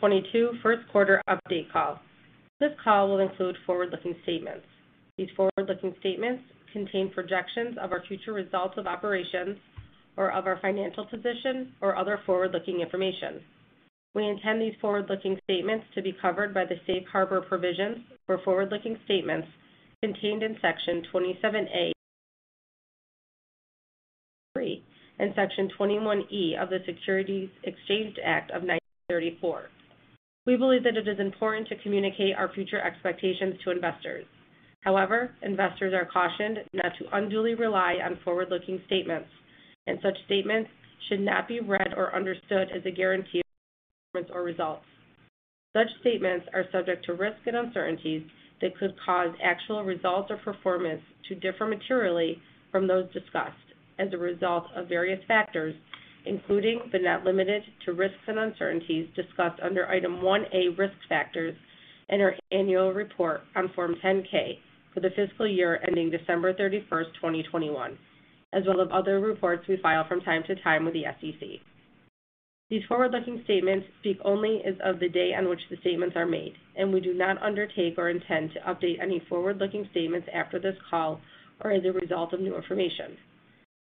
2022 first quarter update call. This call will include forward-looking statements. These forward-looking statements contain projections of our future results of operations or of our financial position or other forward-looking information. We intend these forward-looking statements to be covered by the safe harbor provisions for forward-looking statements contained in Section 27A and Section 21E of the Securities Exchange Act of 1934. We believe that it is important to communicate our future expectations to investors. However, investors are cautioned not to unduly rely on forward-looking statements, and such statements should not be read or understood as a guarantee of performance or results. Such statements are subject to risks and uncertainties that could cause actual results or performance to differ materially from those discussed as a result of various factors, including but not limited to risks and uncertainties discussed under Item 1A, Risk Factors in our annual report on Form 10-K for the fiscal year ending December 31st, 2021, as well as other reports we file from time to time with the SEC. These forward-looking statements speak only as of the day on which the statements are made, and we do not undertake or intend to update any forward-looking statements after this call or as a result of new information.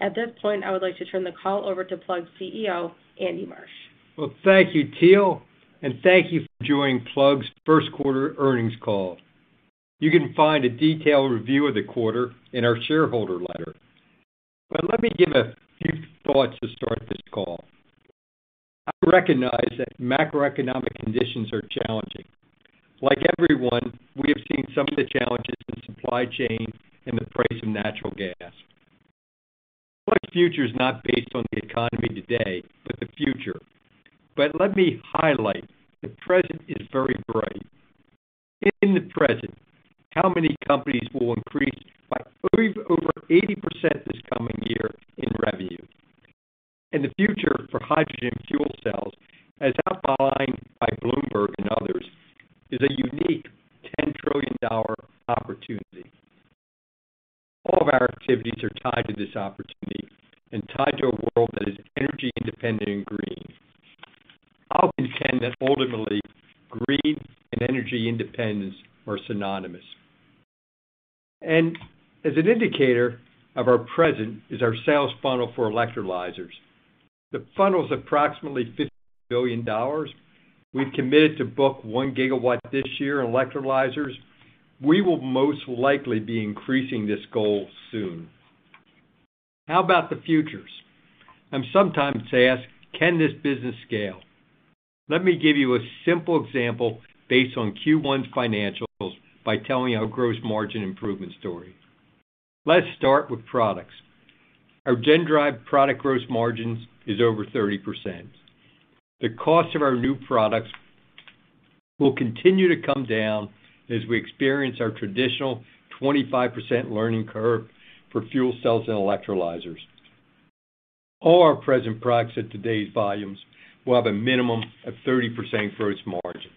At this point, I would like to turn the call over to Plug's CEO, Andy Marsh. Well, thank you, Teal, and thank you for joining Plug's first quarter earnings call. You can find a detailed review of the quarter in our shareholder letter. Let me give a few thoughts to start this call. I recognize that macroeconomic conditions are challenging. Like everyone, we have seen some of the challenges in supply chain and the price of natural gas. Plug's future is not based on the economy today, but the future. Let me highlight, the present is very bright. In the present, how many companies will increase by over 80% this coming year in revenue? In the future for hydrogen fuel cells, as outlined by Bloomberg and others, is a unique $10 trillion opportunity. All of our activities are tied to this opportunity and tied to a world that is energy independent and green. I'll contend that ultimately, green and energy independence are synonymous. As an indicator of our present is our sales funnel for electrolyzers. The funnel is approximately $50 billion. We've committed to book 1 GW this year in electrolyzers. We will most likely be increasing this goal soon. How about the futures? I'm sometimes asked, "Can this business scale?" Let me give you a simple example based on Q1 financials by telling you our gross margin improvement story. Let's start with products. Our GenDrive product gross margins is over 30%. The cost of our new products will continue to come down as we experience our traditional 25% learning curve for fuel cells and electrolyzers. All our present products at today's volumes will have a minimum of 30% gross margins.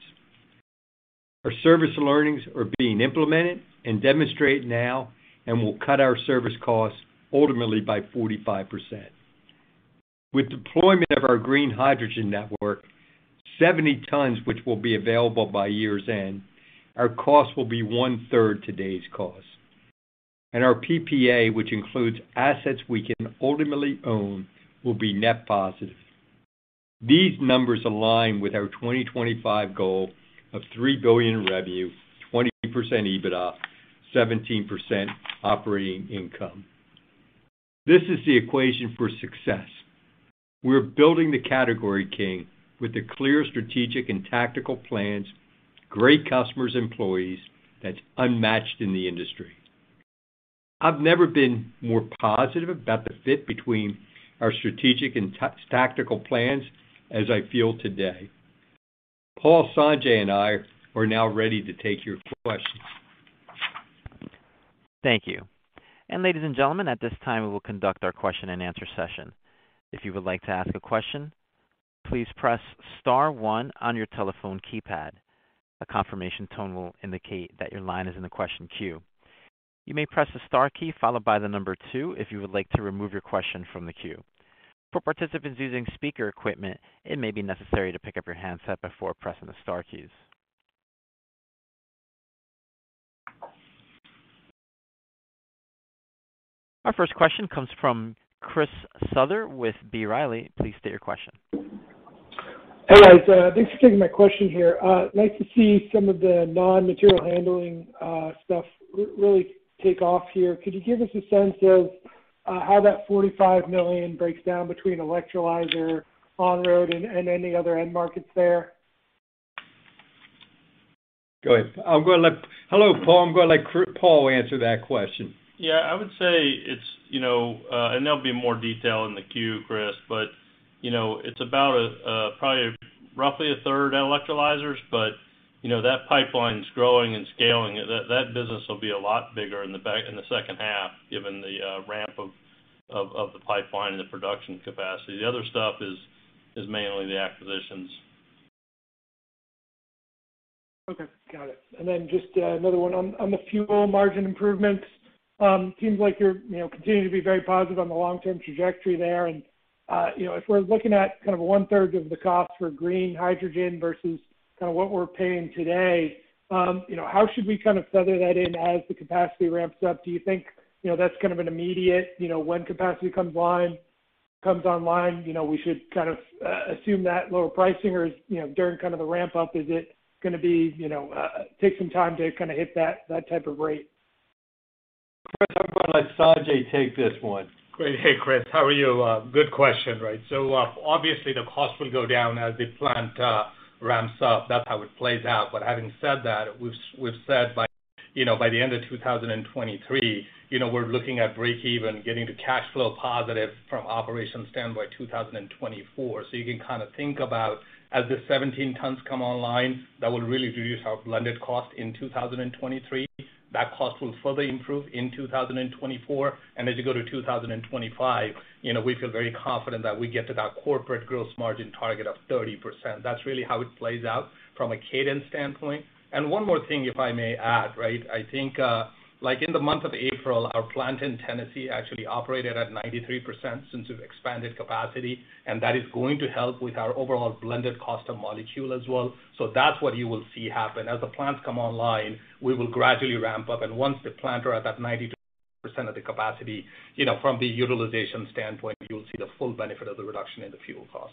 Our service learnings are being implemented and demonstrated now and will cut our service costs ultimately by 45%. With deployment of our green hydrogen network, 70 tons which will be available by year's end, our cost will be 1/3 today's cost. Our PPA, which includes assets we can ultimately own, will be net positive. These numbers align with our 2025 goal of $3 billion revenue, 20% EBITDA, 17% operating income. This is the equation for success. We're building the category king with the clear strategic and tactical plans, great customers, employees that's unmatched in the industry. I've never been more positive about the fit between our strategic and tactical plans as I feel today. Paul, Sanjay, and I are now ready to take your questions. Thank you. Ladies and gentlemen, at this time, we will conduct our question and answer session. If you would like to ask a question, please press star one on your telephone keypad. A confirmation tone will indicate that your line is in the question queue. You may press the star key followed by the number two if you would like to remove your question from the queue. For participants using speaker equipment, it may be necessary to pick up your handset before pressing the star keys. Our first question comes from Christopher Souther with B. Riley. Please state your question. Hey, guys. Thanks for taking my question here. Nice to see some of the non-material handling stuff really take off here. Could you give us a sense of how that $45 million breaks down between electrolyzer, on-road, and any other end markets there? Go ahead. Hello, Paul. I'm gonna let Paul answer that question. Yeah, I would say it's, you know, and there'll be more detail in the queue, Chris, but, you know, it's about probably roughly a third electrolyzers, but, you know, that pipeline is growing and scaling. That business will be a lot bigger in the second half, given the ramp of the pipeline and the production capacity. The other stuff is mainly the acquisitions. Okay. Got it. Then just another one on the fuel margin improvements. Seems like you're, you know, continuing to be very positive on the long-term trajectory there. If we're looking at kind of one-third of the cost for green hydrogen versus kind of what we're paying today, you know, how should we kind of feather that in as the capacity ramps up? Do you think, you know, that's kind of an immediate, you know, when capacity comes online, you know, we should kind of assume that lower pricing or is, you know, during kind of the ramp up, is it gonna be, you know, take some time to kind of hit that type of rate? Chris, I'm gonna let Sanjay take this one. Great. Hey, Chris. How are you? Good question, right? Obviously the cost will go down as the plant ramps up. That's how it plays out. Having said that, we've said by, you know, by the end of 2023, you know, we're looking at break even, getting to cash flow positive from an operations standpoint 2024. You can kinda think about as the 17 tons come online, that will really reduce our blended cost in 2023. That cost will further improve in 2024. As you go to 2025, you know, we feel very confident that we get to that corporate gross margin target of 30%. That's really how it plays out from a cadence standpoint. One more thing, if I may add, right? I think in the month of April, our plant in Tennessee actually operated at 93% since we've expanded capacity, and that is going to help with our overall blended cost of molecule as well. That's what you will see happen. As the plants come online, we will gradually ramp up. Once the plants are at that 92% of the capacity, you know, from the utilization standpoint, you'll see the full benefit of the reduction in the fuel cost.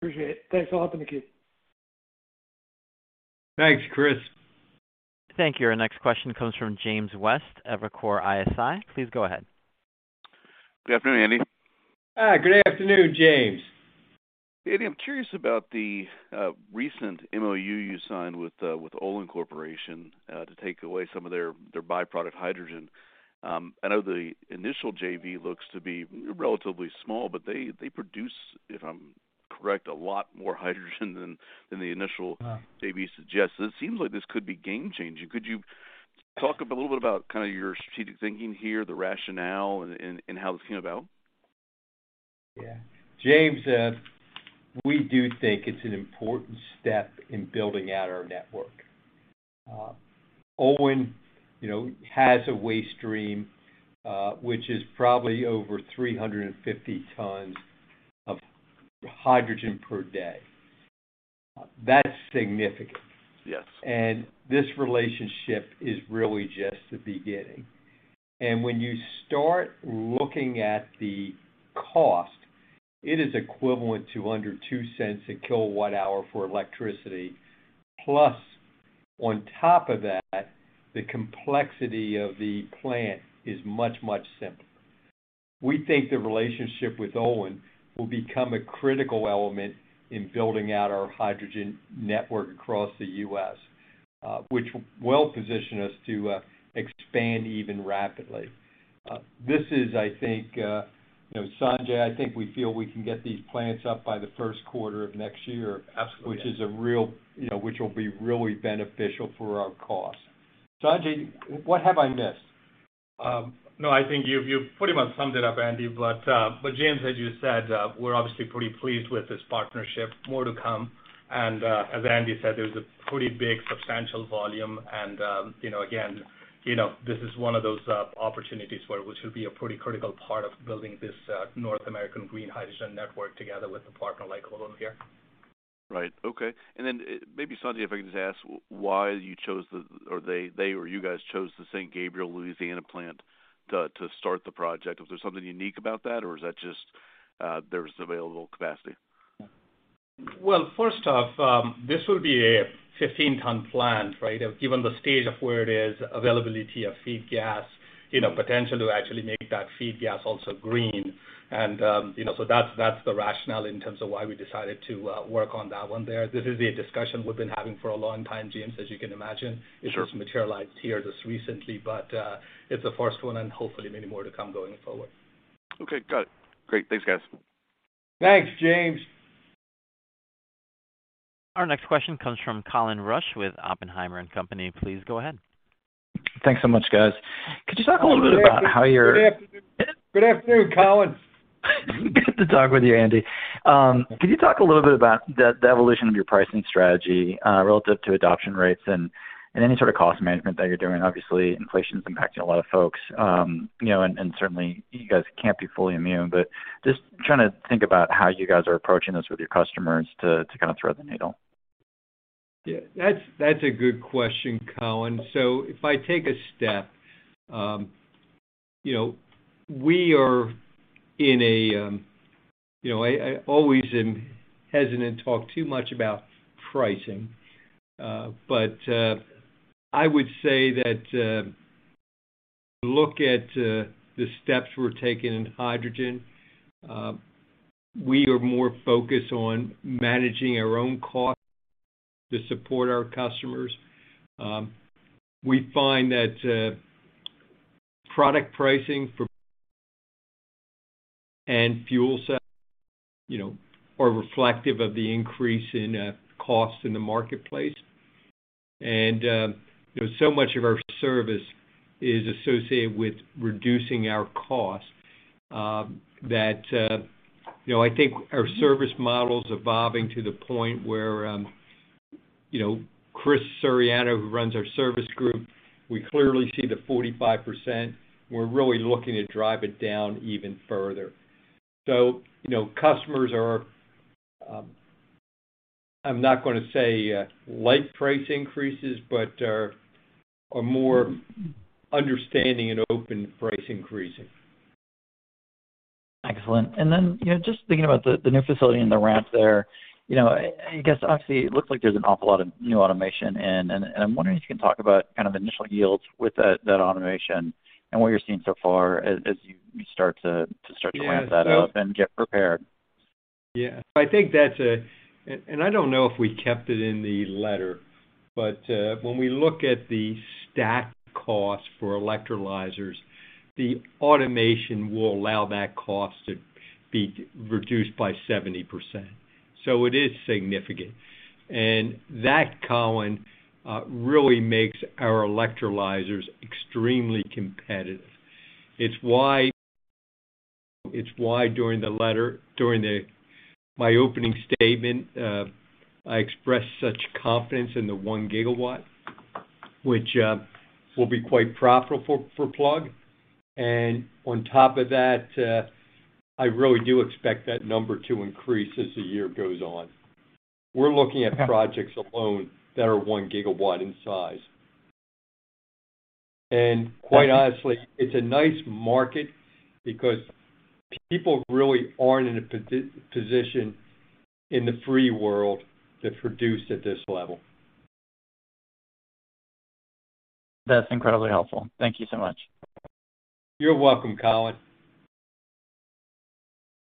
Appreciate it. Thanks a lot for the keep. Thanks, Chris. Thank you. Our next question comes from James West of Evercore ISI. Please go ahead. Good afternoon, Andy. Hi, good afternoon, James. Andy, I'm curious about the recent MOU you signed with Olin Corporation to take away some of their byproduct hydrogen. I know the initial JV looks to be relatively small, but they produce, if I'm correct, a lot more hydrogen than the initial- Yeah. ...JV suggests. It seems like this could be game changing. Could you talk a little bit about kinda your strategic thinking here, the rationale and how this came about? Yeah. James, we do think it's an important step in building out our network. Olin, you know, has a waste stream, which is probably over 350 tons of hydrogen per day. That's significant. Yes. This relationship is really just the beginning. When you start looking at the cost, it is equivalent to under $0.02/kWh for electricity. Plus, on top of that, the complexity of the plant is much, much simpler. We think the relationship with Olin will become a critical element in building out our hydrogen network across the U.S., which will position us to expand even rapidly. This is, I think, you know, Sanjay, I think we feel we can get these plants up by the first quarter of next year. Absolutely. Which will be really beneficial for our cost. Sanjay, what have I missed? No, I think you've pretty much summed it up, Andy. James, as you said, we're obviously pretty pleased with this partnership. More to come. As Andy said, there's a pretty big substantial volume. You know, again, you know, this is one of those opportunities which will be a pretty critical part of building this North American green hydrogen network together with a partner like Olin here. Right. Okay. Then maybe, Sanjay, if I can just ask why you or they or you guys chose the Saint Gabriel, Louisiana plant to start the project. Was there something unique about that, or is that just there's available capacity? Well, first off, this will be a 15-ton plant, right? Given the stage of where it is, availability of feed gas, you know, potential to actually make that feed gas also green. That's the rationale in terms of why we decided to work on that one there. This is a discussion we've been having for a long time, James, as you can imagine. Sure. It just materialized here just recently, but it's the first one and hopefully many more to come going forward. Okay. Got it. Great. Thanks, guys. Thanks, James. Our next question comes from Colin Rusch with Oppenheimer & Co. Please go ahead. Thanks so much, guys. Could you talk a little bit about how your- Good afternoon. Good afternoon, Colin. Good to talk with you, Andy. Could you talk a little bit about the evolution of your pricing strategy relative to adoption rates and any sort of cost management that you're doing? Obviously, inflation is impacting a lot of folks, you know, and certainly you guys can't be fully immune. But just trying to think about how you guys are approaching this with your customers to kinda thread the needle. Yeah. That's a good question, Colin. So if I take a step, you know, we are in a. You know, I always am hesitant to talk too much about pricing. But I would say that, look at the steps we're taking in hydrogen, we are more focused on managing our own costs to support our customers. We find that product pricing for GenDrive and fuel cells, you know, are reflective of the increase in cost in the marketplace. So much of our service is associated with reducing our cost, that you know, I think our service model is evolving to the point where, you know, Chris Suriano, who runs our service group, we clearly see the 45%. We're really looking to drive it down even further. You know, customers are, I'm not gonna say, light price increases, but are more understanding and open to price increases. Excellent. You know, just thinking about the new facility and the ramp there, you know, I guess, obviously it looks like there's an awful lot of new automation. I'm wondering if you can talk about kind of initial yields with that automation and what you're seeing so far as you start to ramp that up and get prepared? I think that's. I don't know if we kept it in the letter, but when we look at the stack cost for electrolyzers, the automation will allow that cost to be reduced by 70%. So it is significant. That, Colin, really makes our electrolyzers extremely competitive. It's why during the letter, my opening statement, I expressed such confidence in the 1 GW, which will be quite profitable for Plug. On top of that, I really do expect that number to increase as the year goes on. We're looking at projects alone that are 1 GW in size. Quite honestly, it's a nice market because people really aren't in a position in the free world to produce at this level. That's incredibly helpful. Thank you so much. You're welcome, Colin.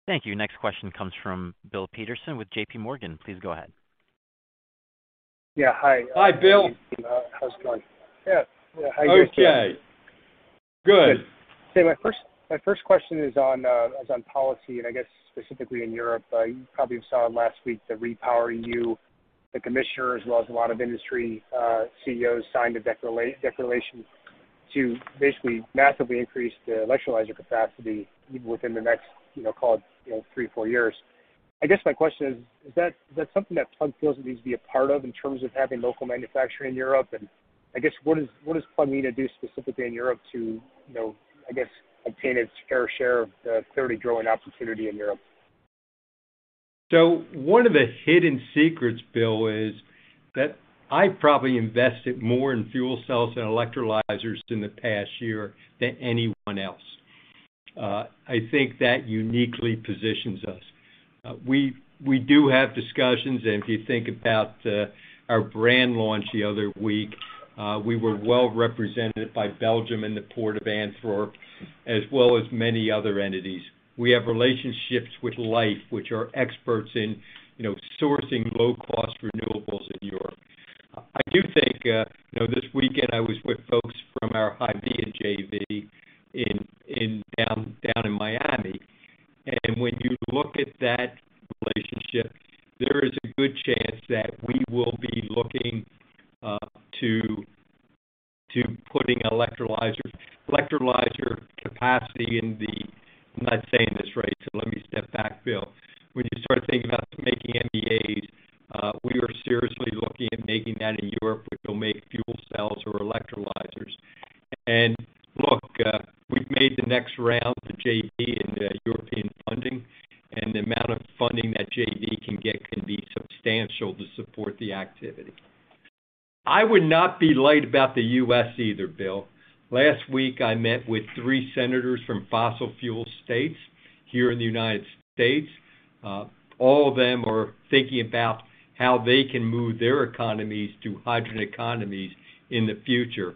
Thank you. Next question comes from Bill Peterson with J.P. Morgan. Please go ahead. Yeah. Hi. Hi, Bill. How's it going? Yeah. Yeah. How are you doing today? Okay. Good. Good. My first question is on policy and I guess specifically in Europe. You probably saw last week the REPowerEU, the commissioner as well as a lot of industry CEOs signed a declaration to basically massively increase the electrolyzer capacity even within the next, you know, call it, you know, three, four years. I guess my question is that something that Plug feels it needs to be a part of in terms of having local manufacturing in Europe? I guess what does Plug need to do specifically in Europe to, you know, I guess obtain its fair share of the clearly growing opportunity in Europe? One of the hidden secrets, Bill, is that I probably invested more in fuel cells and electrolyzers in the past year than anyone else. I think that uniquely positions us. We do have discussions, and if you think about our brand launch the other week, we were well represented by Belgium and the Port of Antwerp, as well as many other entities. We have relationships with Lhyfe, which are experts in, you know, sourcing low-cost renewables in Europe. I do think, you know, this weekend I was with folks from our HYVIA JV down in Miami. When you look at that relationship, there is a good chance that we will be looking to putting electrolyzers, electrolyzer capacity in the. I'm not saying this right, so let me step back, Bill. When you start thinking about making MEAs, we are seriously looking at making that in Europe where they'll make fuel cells or electrolyzers. Look, we've made the next round of the JV in the European funding, and the amount of funding that JV can get can be substantial to support the activity. I would not be light about the U.S. either, Bill. Last week, I met with three senators from fossil fuel states here in the United States. All of them are thinking about how they can move their economies to hydrogen economies in the future.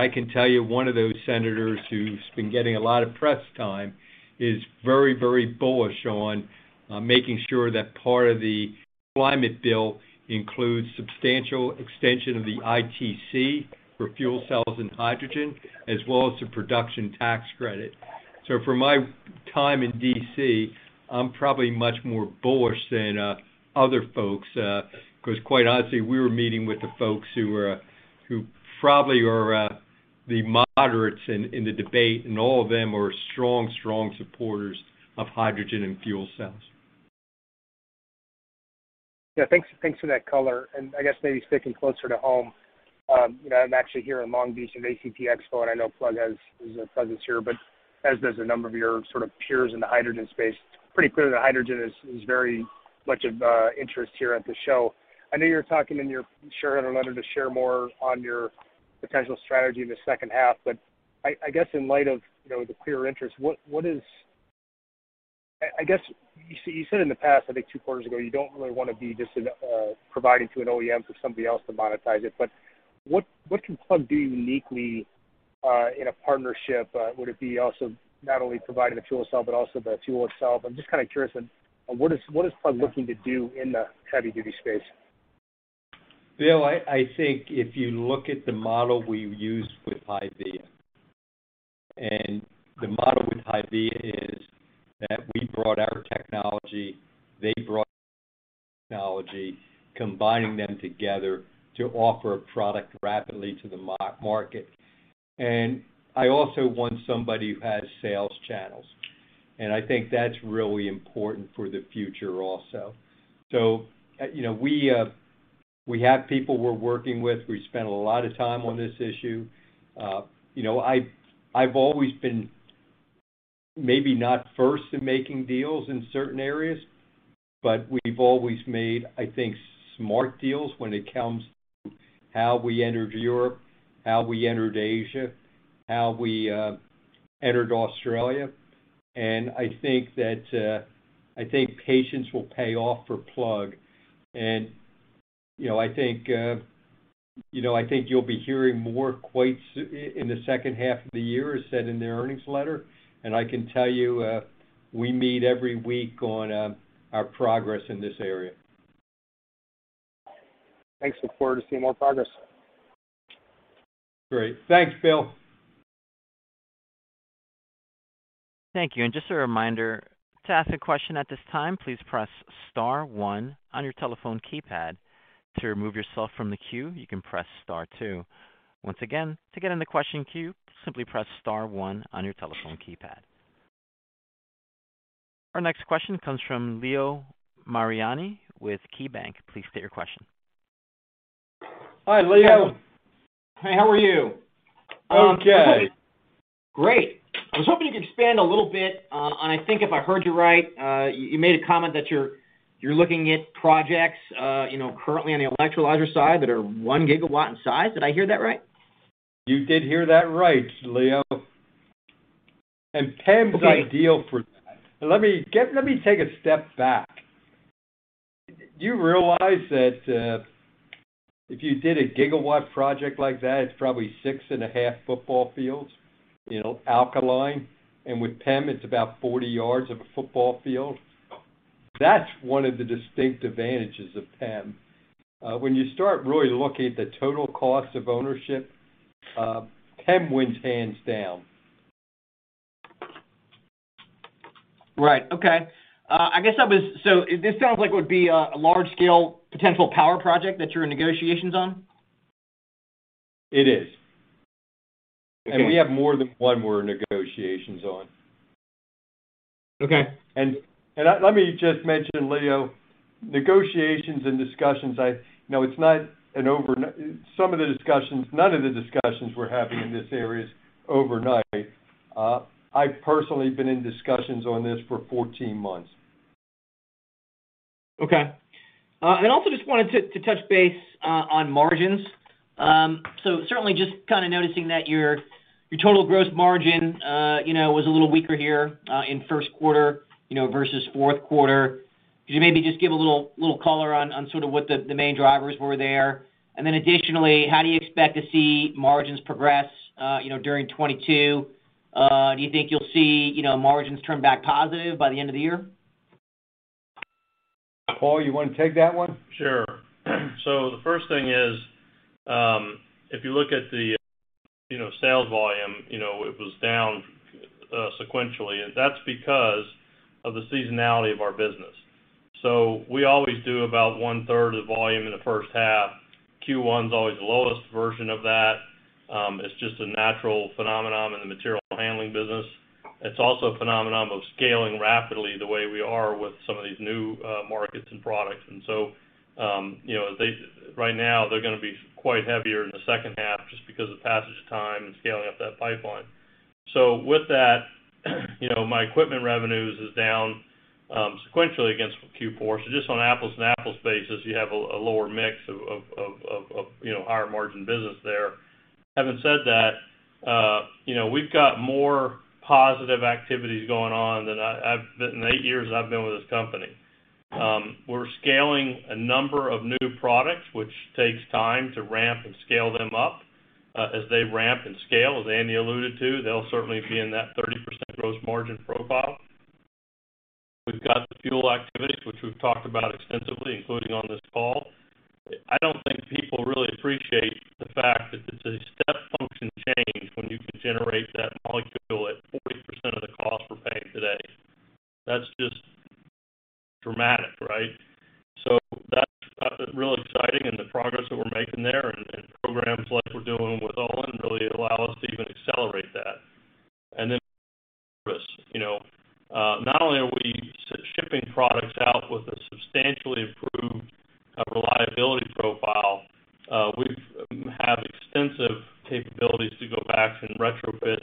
I can tell you one of those senators who's been getting a lot of press time is very, very bullish on making sure that part of the climate bill includes substantial extension of the ITC for fuel cells and hydrogen, as well as the production tax credit. From my time in D.C., I'm probably much more bullish than other folks because quite honestly, we were meeting with the folks who probably are the moderates in the debate, and all of them are strong supporters of hydrogen and fuel cells. Yeah. Thanks for that color. I guess maybe sticking closer to home, you know, I'm actually here in Long Beach at ACT Expo, and I know Plug has a presence here, but as does a number of your sort of peers in the hydrogen space. It's pretty clear that hydrogen is very much of interest here at the show. I know you're talking in your shareholder letter to share more on your potential strategy in the second half, but I guess in light of, you know, the clear interest, what is? I guess you said in the past, I think two quarters ago, you don't really wanna be just providing to an OEM for somebody else to monetize it. What can Plug do uniquely in a partnership? Would it be also not only providing the fuel cell but also the fuel itself? I'm just kind of curious on what is Plug looking to do in the heavy-duty space? Bill, I think if you look at the model we've used with HYVIA. And the model with HYVIA is that we brought our technology, they brought technology, combining them together to offer a product rapidly to the market. I also want somebody who has sales channels, and I think that's really important for the future also. You know, we have people we're working with. We spent a lot of time on this issue. You know, I've always been maybe not first in making deals in certain areas, but we've always made, I think, smart deals when it comes to how we entered Europe, how we entered Asia, how we entered Australia. I think that patience will pay off for Plug. You know, I think you'll be hearing more in the second half of the year, as said in the earnings letter. I can tell you, we meet every week on our progress in this area. Thanks. Look forward to seeing more progress. Great. Thanks, Bill. Thank you. Just a reminder, to ask a question at this time, please press star one on your telephone keypad. To remove yourself from the queue, you can press star two. Once again, to get in the question queue, simply press star one on your telephone keypad. Our next question comes from Leo Mariani with KeyBanc. Please state your question. Hi, Leo. Hey, how are you? Okay. Great. I was hoping you could expand a little bit on, I think if I heard you right, you made a comment that you're looking at projects, you know, currently on the electrolyzer side that are 1 GW in size. Did I hear that right? You did hear that right, Leo. PEM's ideal for that. Let me take a step back. Do you realize that, if you did a gigawatt project like that, it's probably 6.5 football fields, you know, alkaline. With PEM, it's about 40 yards of a football field. That's one of the distinct advantages of PEM. When you start really looking at the total cost of ownership, PEM wins hands down. Right. Okay. This sounds like it would be a large scale potential power project that you're in negotiations on. It is. Okay. We have more than one we're in negotiations on. Okay. Let me just mention, Leo, negotiations and discussions. You know, it's not an overnight. None of the discussions we're having in this area is overnight. I've personally been in discussions on this for 14 months. Okay. Also just wanted to touch base on margins. Certainly just kinda noticing that your total gross margin, you know, was a little weaker here in first quarter, you know, versus fourth quarter. Could you maybe just give a little color on sort of what the main drivers were there? Then additionally, how do you expect to see margins progress, you know, during 2022? Do you think you'll see, you know, margins turn back positive by the end of the year? Paul, you wanna take that one? Sure. The first thing is, if you look at the, you know, sales volume, you know, it was down, sequentially, and that's because of the seasonality of our business. We always do about 1/3 of the volume in the first half. Q1 is always the lowest volume of that. It's just a natural phenomenon in the material handling business. It's also a phenomenon of scaling rapidly the way we are with some of these new, markets and products. You know, right now they're gonna be quite heavier in the second half just because of passage of time and scaling up that pipeline. With that, you know, my equipment revenues is down, sequentially against Q4. Just on apples-to-apples basis, you have a lower mix of, you know, higher margin business there. Having said that, you know, we've got more positive activities going on than the eight years I've been with this company. We're scaling a number of new products, which takes time to ramp and scale them up. As they ramp and scale, as Andy alluded to, they'll certainly be in that 30% gross margin profile. We've got the fuel activities, which we've talked about extensively, including on this call. I don't think people really appreciate the fact that it's a step function change when you can generate that molecule at 40% of the cost we're paying today. That's just dramatic, right? That's real exciting and the progress that we're making there and programs like we're doing with Olin really allow us to even accelerate that. Service. You know, not only are we shipping products out with a substantially improved reliability profile, we have extensive capabilities to go back and retrofit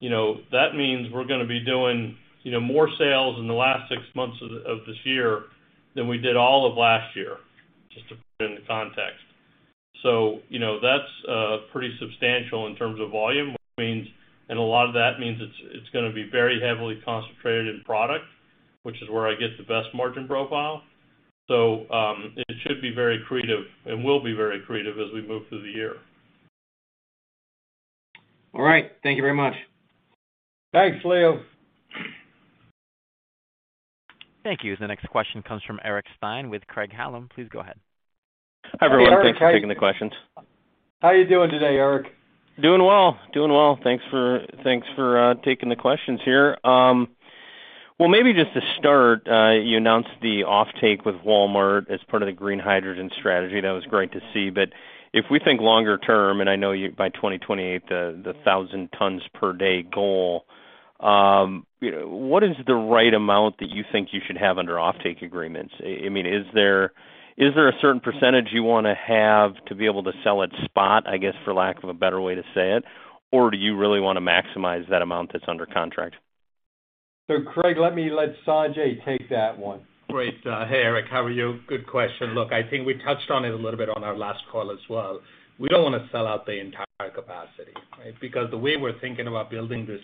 you know, that means we're gonna be doing, you know, more sales in the last six months of this year than we did all of last year, just to put it into context. You know, that's pretty substantial in terms of volume, which means. A lot of that means it's gonna be very heavily concentrated in product, which is where I get the best margin profile. It should be very accretive and will be very accretive as we move through the year. All right. Thank you very much. Thanks, Leo. Thank you. The next question comes from Eric Stine with Craig-Hallum. Please go ahead. Hey, Eric. How are you? Hi, everyone. Thanks for taking the questions. How are you doing today, Eric? Doing well. Thanks for taking the questions here. Well, maybe just to start, you announced the offtake with Walmart as part of the green hydrogen strategy. That was great to see. If we think longer term, and I know you by 2028, the 1,000 tons per day goal, you know, what is the right amount that you think you should have under offtake agreements? I mean, is there a certain percentage you wanna have to be able to sell at spot, I guess, for lack of a better way to say it? Or do you really wanna maximize that amount that's under contract? Craig, let me let Sanjay take that one. Great. Hey, Eric. How are you? Good question. Look, I think we touched on it a little bit on our last call as well. We don't wanna sell out the entire capacity, right? Because the way we're thinking about building this,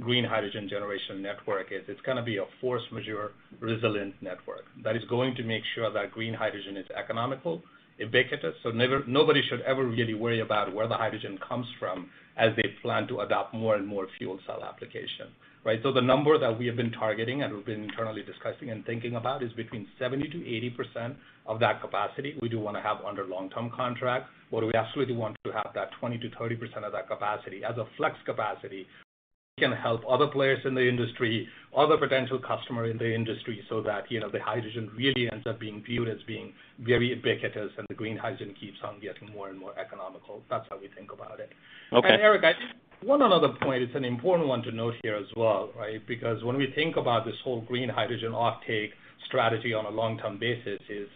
green hydrogen generation network is it's gonna be a force majeure resilient network that is going to make sure that green hydrogen is economical, ubiquitous. Nobody should ever really worry about where the hydrogen comes from as they plan to adopt more and more fuel cell application, right? The number that we have been targeting and we've been internally discussing and thinking about is between 70%-80% of that capacity we do wanna have under long-term contract, but we absolutely want to have that 20%-30% of that capacity as a flex capacity, so we can help other players in the industry, other potential customer in the industry so that, you know, the hydrogen really ends up being viewed as being very ubiquitous and the green hydrogen keeps on getting more and more economical. That's how we think about it. Okay. Eric, I think one other point, it's an important one to note here as well, right? Because when we think about this whole green hydrogen offtake strategy on a long-term basis is,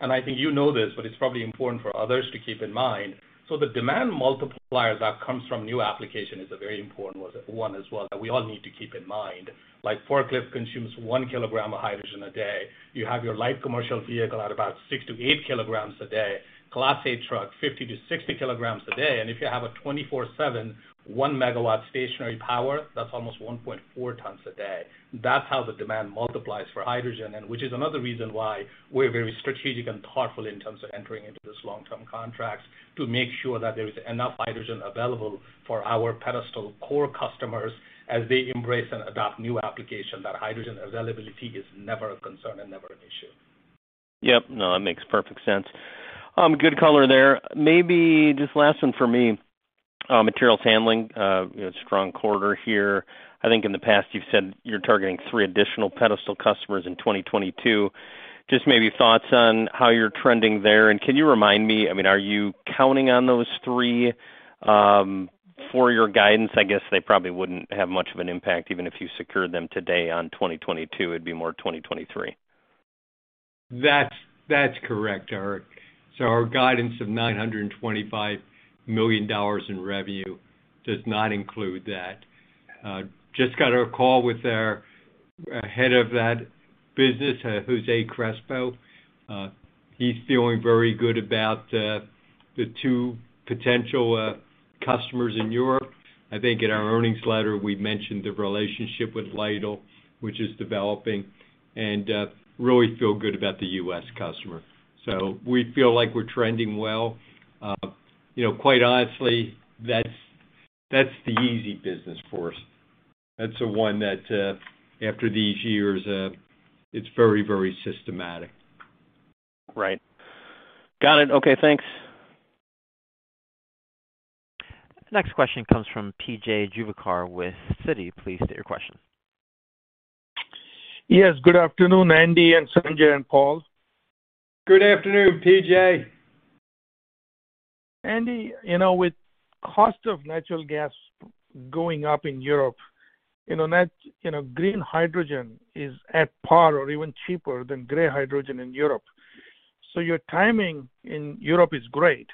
and I think you know this, but it's probably important for others to keep in mind. The demand multiplier that comes from new application is a very important one as well that we all need to keep in mind. Like, forklift consumes 1 kg of hydrogen a day. You have your light commercial vehicle at about 6 kg-8 kg a day. Class 8 truck, 50 kg-60 kg a day. If you have a 24/7 1 MW stationary power, that's almost 1.4 tons a day. That's how the demand multiplies for hydrogen, and which is another reason why we're very strategic and thoughtful in terms of entering into this long-term contracts to make sure that there is enough hydrogen available for our pedestal core customers as they embrace and adopt new application. That hydrogen availability is never a concern and never an issue. Yep. No, that makes perfect sense. Good color there. Maybe just last one for me. Material handling, you know, strong quarter here. I think in the past you've said you're targeting three additional pedestal customers in 2022. Just maybe thoughts on how you're trending there, and can you remind me, I mean, are you counting on those three for your guidance? I guess they probably wouldn't have much of an impact even if you secured them today on 2022. It'd be more 2023. That's correct, Eric. Our guidance of $925 million in revenue does not include that. Just got a call with our head of that business, Jose Crespo. He's feeling very good about the two potential customers in Europe. I think in our earnings letter, we mentioned the relationship with Lidl, which is developing, and really feel good about the U.S. customer. We feel like we're trending well. You know, quite honestly, that's the easy business for us. That's the one that after these years, it's very, very systematic. Right. Got it. Okay, thanks. The next question comes from PJ Juvekar with Citi. Please state your question. Yes, good afternoon, Andy and Sanjay and Paul. Good afternoon, PJ. Andy, you know, with cost of natural gas going up in Europe, you know, you know, green hydrogen is at par or even cheaper than gray hydrogen in Europe. Your timing in Europe is great. Right.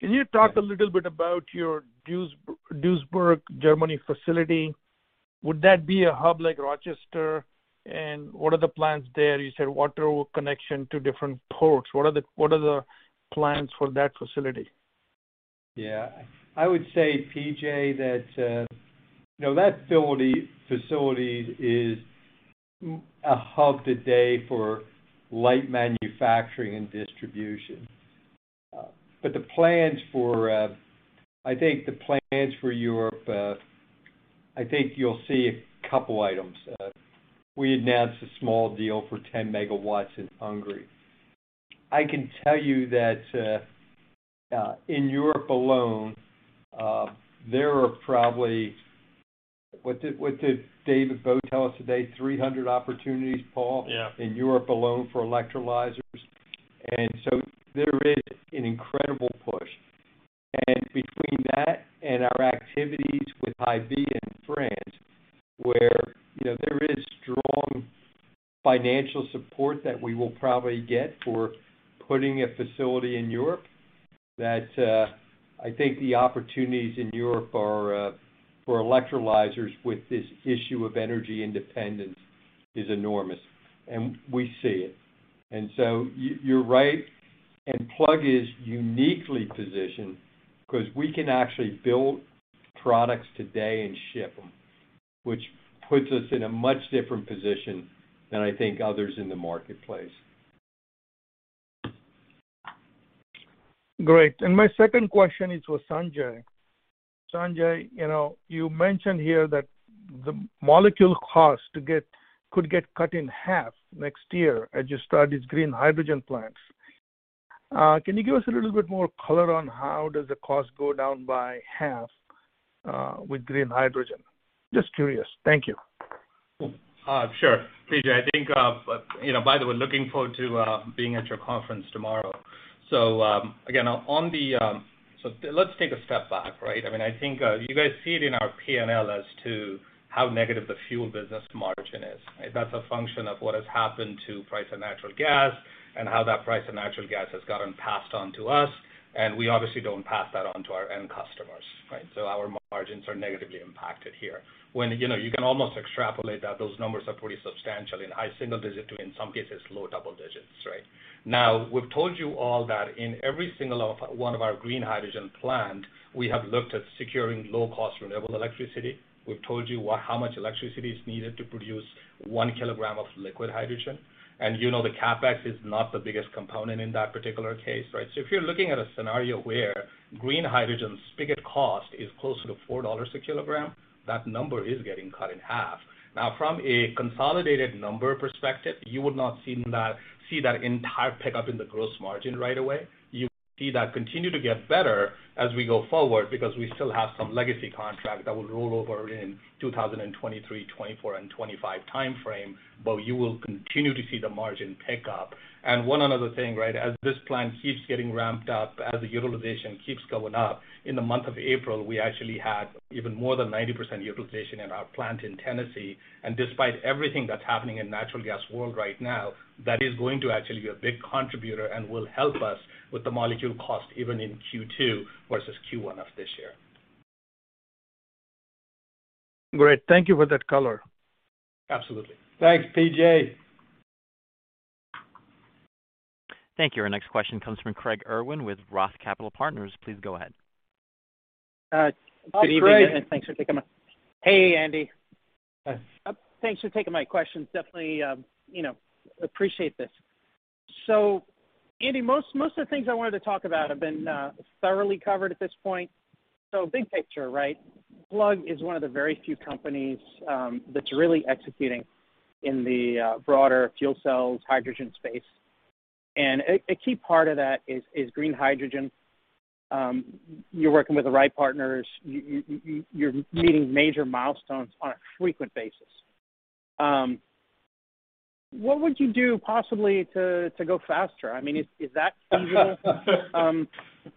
Can you talk a little bit about your Duisburg, Germany facility? Would that be a hub like Rochester? What are the plans there? You said water connection to different ports. What are the plans for that facility? Yeah. I would say, PJ, that that facility is a hub today for light manufacturing and distribution. I think the plans for Europe. I think you'll see a couple items. We announced a small deal for 10 megawatts in Hungary. I can tell you that in Europe alone there are probably. What did David Bo tell us today? 300 opportunities, Paul. Yeah. In Europe alone for electrolyzers. There is an incredible push. Between that and our activities with HYVIA in France, where, you know, there is strong financial support that we will probably get for putting a facility in Europe that, I think the opportunities in Europe are for electrolyzers with this issue of energy independence is enormous, and we see it. You're right, and Plug is uniquely positioned because we can actually build products today and ship them, which puts us in a much different position than I think others in the marketplace. Great. My second question is for Sanjay. Sanjay, you know, you mentioned here that the molecule cost could get cut in half next year as you start these green hydrogen plants. Can you give us a little bit more color on how does the cost go down by half, with green hydrogen? Just curious. Thank you. Sure. PJ, I think, you know, by the way, looking forward to being at your conference tomorrow. Let's take a step back, right? I mean, I think, you guys see it in our P&L as to how negative the fuel business margin is, right? That's a function of what has happened to price of natural gas and how that price of natural gas has gotten passed on to us, and we obviously don't pass that on to our end customers, right? Our margins are negatively impacted here. You know, you can almost extrapolate that those numbers are pretty substantial in high single digits to in some cases, low double digits, right? Now, we've told you all that in every single one of our green hydrogen plants, we have looked at securing low-cost renewable electricity. We've told you how much electricity is needed to produce one kilogram of liquid hydrogen. You know, the CapEx is not the biggest component in that particular case, right? If you're looking at a scenario where green hydrogen spot cost is closer to $4 a kilogram, that number is getting cut in half. Now, from a consolidated number perspective, you would not see that entire pickup in the gross margin right away. You see that continue to get better as we go forward because we still have some legacy contracts that will roll over in 2023, 2024, and 2025 timeframe, but you will continue to see the margin pick up. One other thing, right, as this plan keeps getting ramped up, as the utilization keeps going up. In the month of April, we actually had even more than 90% utilization in our plant in Tennessee. Despite everything that's happening in natural gas world right now, that is going to actually be a big contributor and will help us with the molecule cost even in Q2 versus Q1 of this year. Great. Thank you for that color. Absolutely. Thanks, PJ. Thank you. Our next question comes from Craig Irwin with Roth Capital Partners. Please go ahead. Good evening. Hi, Craig. Hey, Andy. Hi. Thanks for taking my questions. Definitely, you know, appreciate this. Andy, most of the things I wanted to talk about have been thoroughly covered at this point. Big picture, right? Plug is one of the very few companies that's really executing in the broader fuel cells hydrogen space. A key part of that is green hydrogen. You're working with the right partners. You're meeting major milestones on a frequent basis. What would you do possibly to go faster? I mean, is that feasible?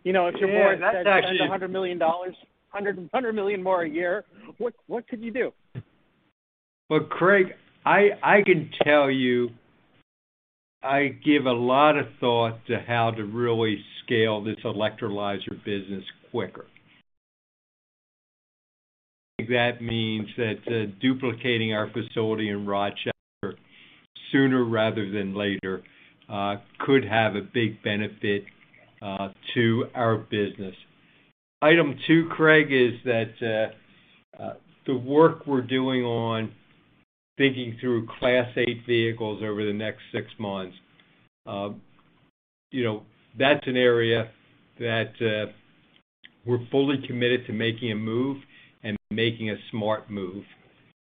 You know, if you're more- Yeah, that's actually. ...spend $100 million, $100 million more a year, what could you do? Well, Craig, I can tell you, I give a lot of thought to how to really scale this electrolyzer business quicker. That means that duplicating our facility in Rochester sooner rather than later could have a big benefit to our business. Item two, Craig, is that the work we're doing on thinking through Class 8 vehicles over the next six months, you know, that's an area that we're fully committed to making a move and making a smart move.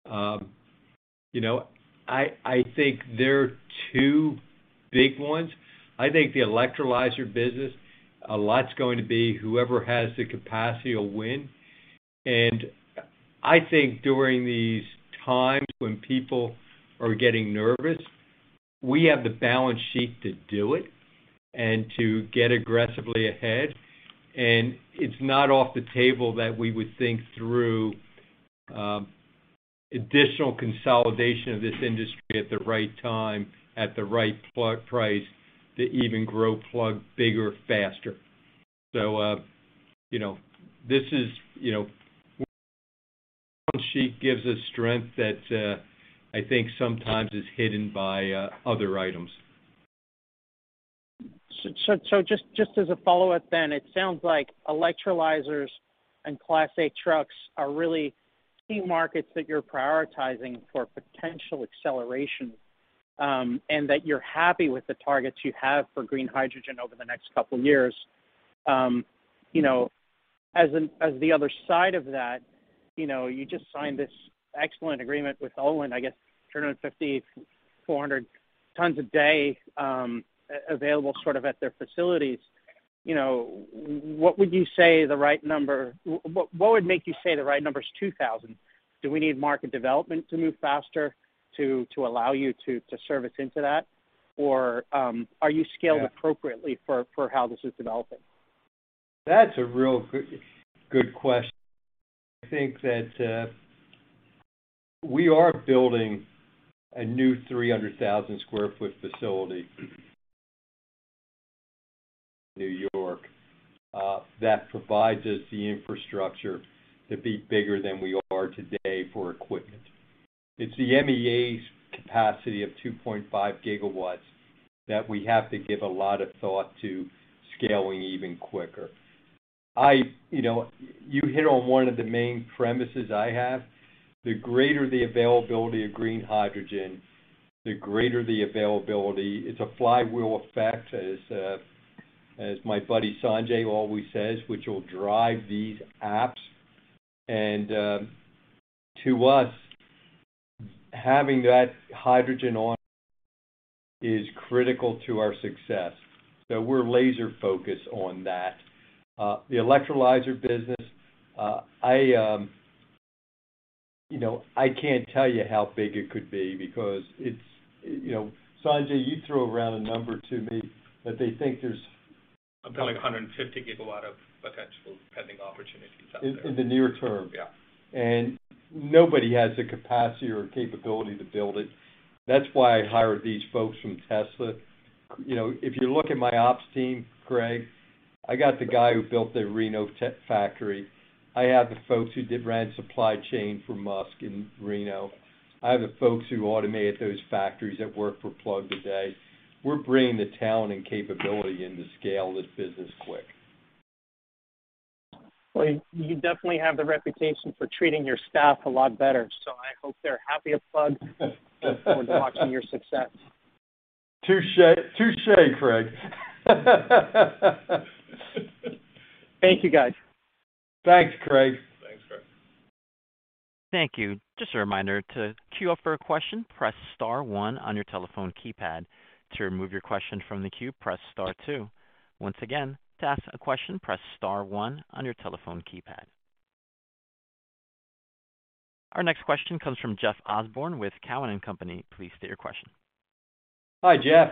You know, I think there are two big ones. I think the electrolyzer business, a lot's going to be whoever has the capacity will win. I think during these times when people are getting nervous, we have the balance sheet to do it and to get aggressively ahead. It's not off the table that we would think through additional consolidation of this industry at the right time, at the right price to even grow Plug bigger, faster. You know, this is, you know, balance sheet gives us strength that I think sometimes is hidden by other items. Just as a follow-up then, it sounds like electrolyzers and Class 8 trucks are really key markets that you're prioritizing for potential acceleration, and that you're happy with the targets you have for green hydrogen over the next couple of years. You know, as the other side of that, you know, you just signed this excellent agreement with Olin, I guess, 250 tons-400 tons a day, available sort of at their facilities. You know, what would you say the right number. What would make you say the right number is 2,000? Do we need market development to move faster to allow you to service into that? Or, are you scaled appropriately for how this is developing? That's a real good question. I think that we are building a new 300,000 sq ft facility in New York that provides us the infrastructure to be bigger than we are today for equipment. It's the MEAs capacity of 2.5 GW that we have to give a lot of thought to scaling even quicker. You know, you hit on one of the main premises I have. The greater the availability of green hydrogen, the greater the availability. It's a flywheel effect, as my buddy Sanjay always says, which will drive these apps. To us, having that hydrogen on is critical to our success. So we're laser focused on that. The electrolyzer business, I you know, I can't tell you how big it could be because it's, you know, Sanjay, you throw around a number to me that they think there's. About 150 GW of potential pending opportunities out there. In the near term. Yeah. Nobody has the capacity or capability to build it. That's why I hired these folks from Tesla. You know, if you look at my ops team, Craig, I got the guy who built the Reno tech factory. I have the folks who ran supply chain for Musk in Reno. I have the folks who automated those factories who work for Plug today. We're bringing the talent and capability in to scale this business quick. Well, you definitely have the reputation for treating your staff a lot better, so I hope they're happy at Plug and watching your success. Touché. Touché, Craig. Thank you, guys. Thanks, Craig. Thanks, Craig. Thank you. Just a reminder. To queue up for a question, press star one on your telephone keypad. To remove your question from the queue, press star two. Once again, to ask a question, press star one on your telephone keypad. Our next question comes from Jeff Osborne with Cowen and Company. Please state your question. Hi, Jeff.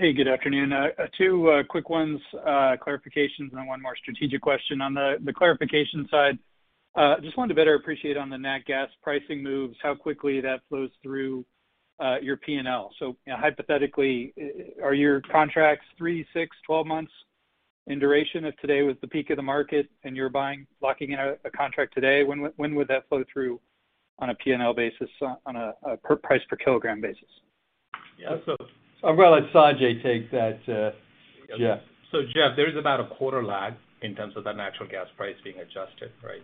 Yeah, good afternoon. Two quick ones, clarifications and then one more strategic question. On the clarification side, just wanted to better appreciate on the nat gas pricing moves, how quickly that flows through, your P&L. Hypothetically, are your contracts three, six, 12 months in duration? If today was the peak of the market and you're buying, locking in a contract today, when would that flow throught on a P&L basis on a per price per kilogram basis? Yeah. I'm gonna let Sanjay take that, Jeff. Jeff, there is about a quarter lag in terms of that natural gas price being adjusted, right?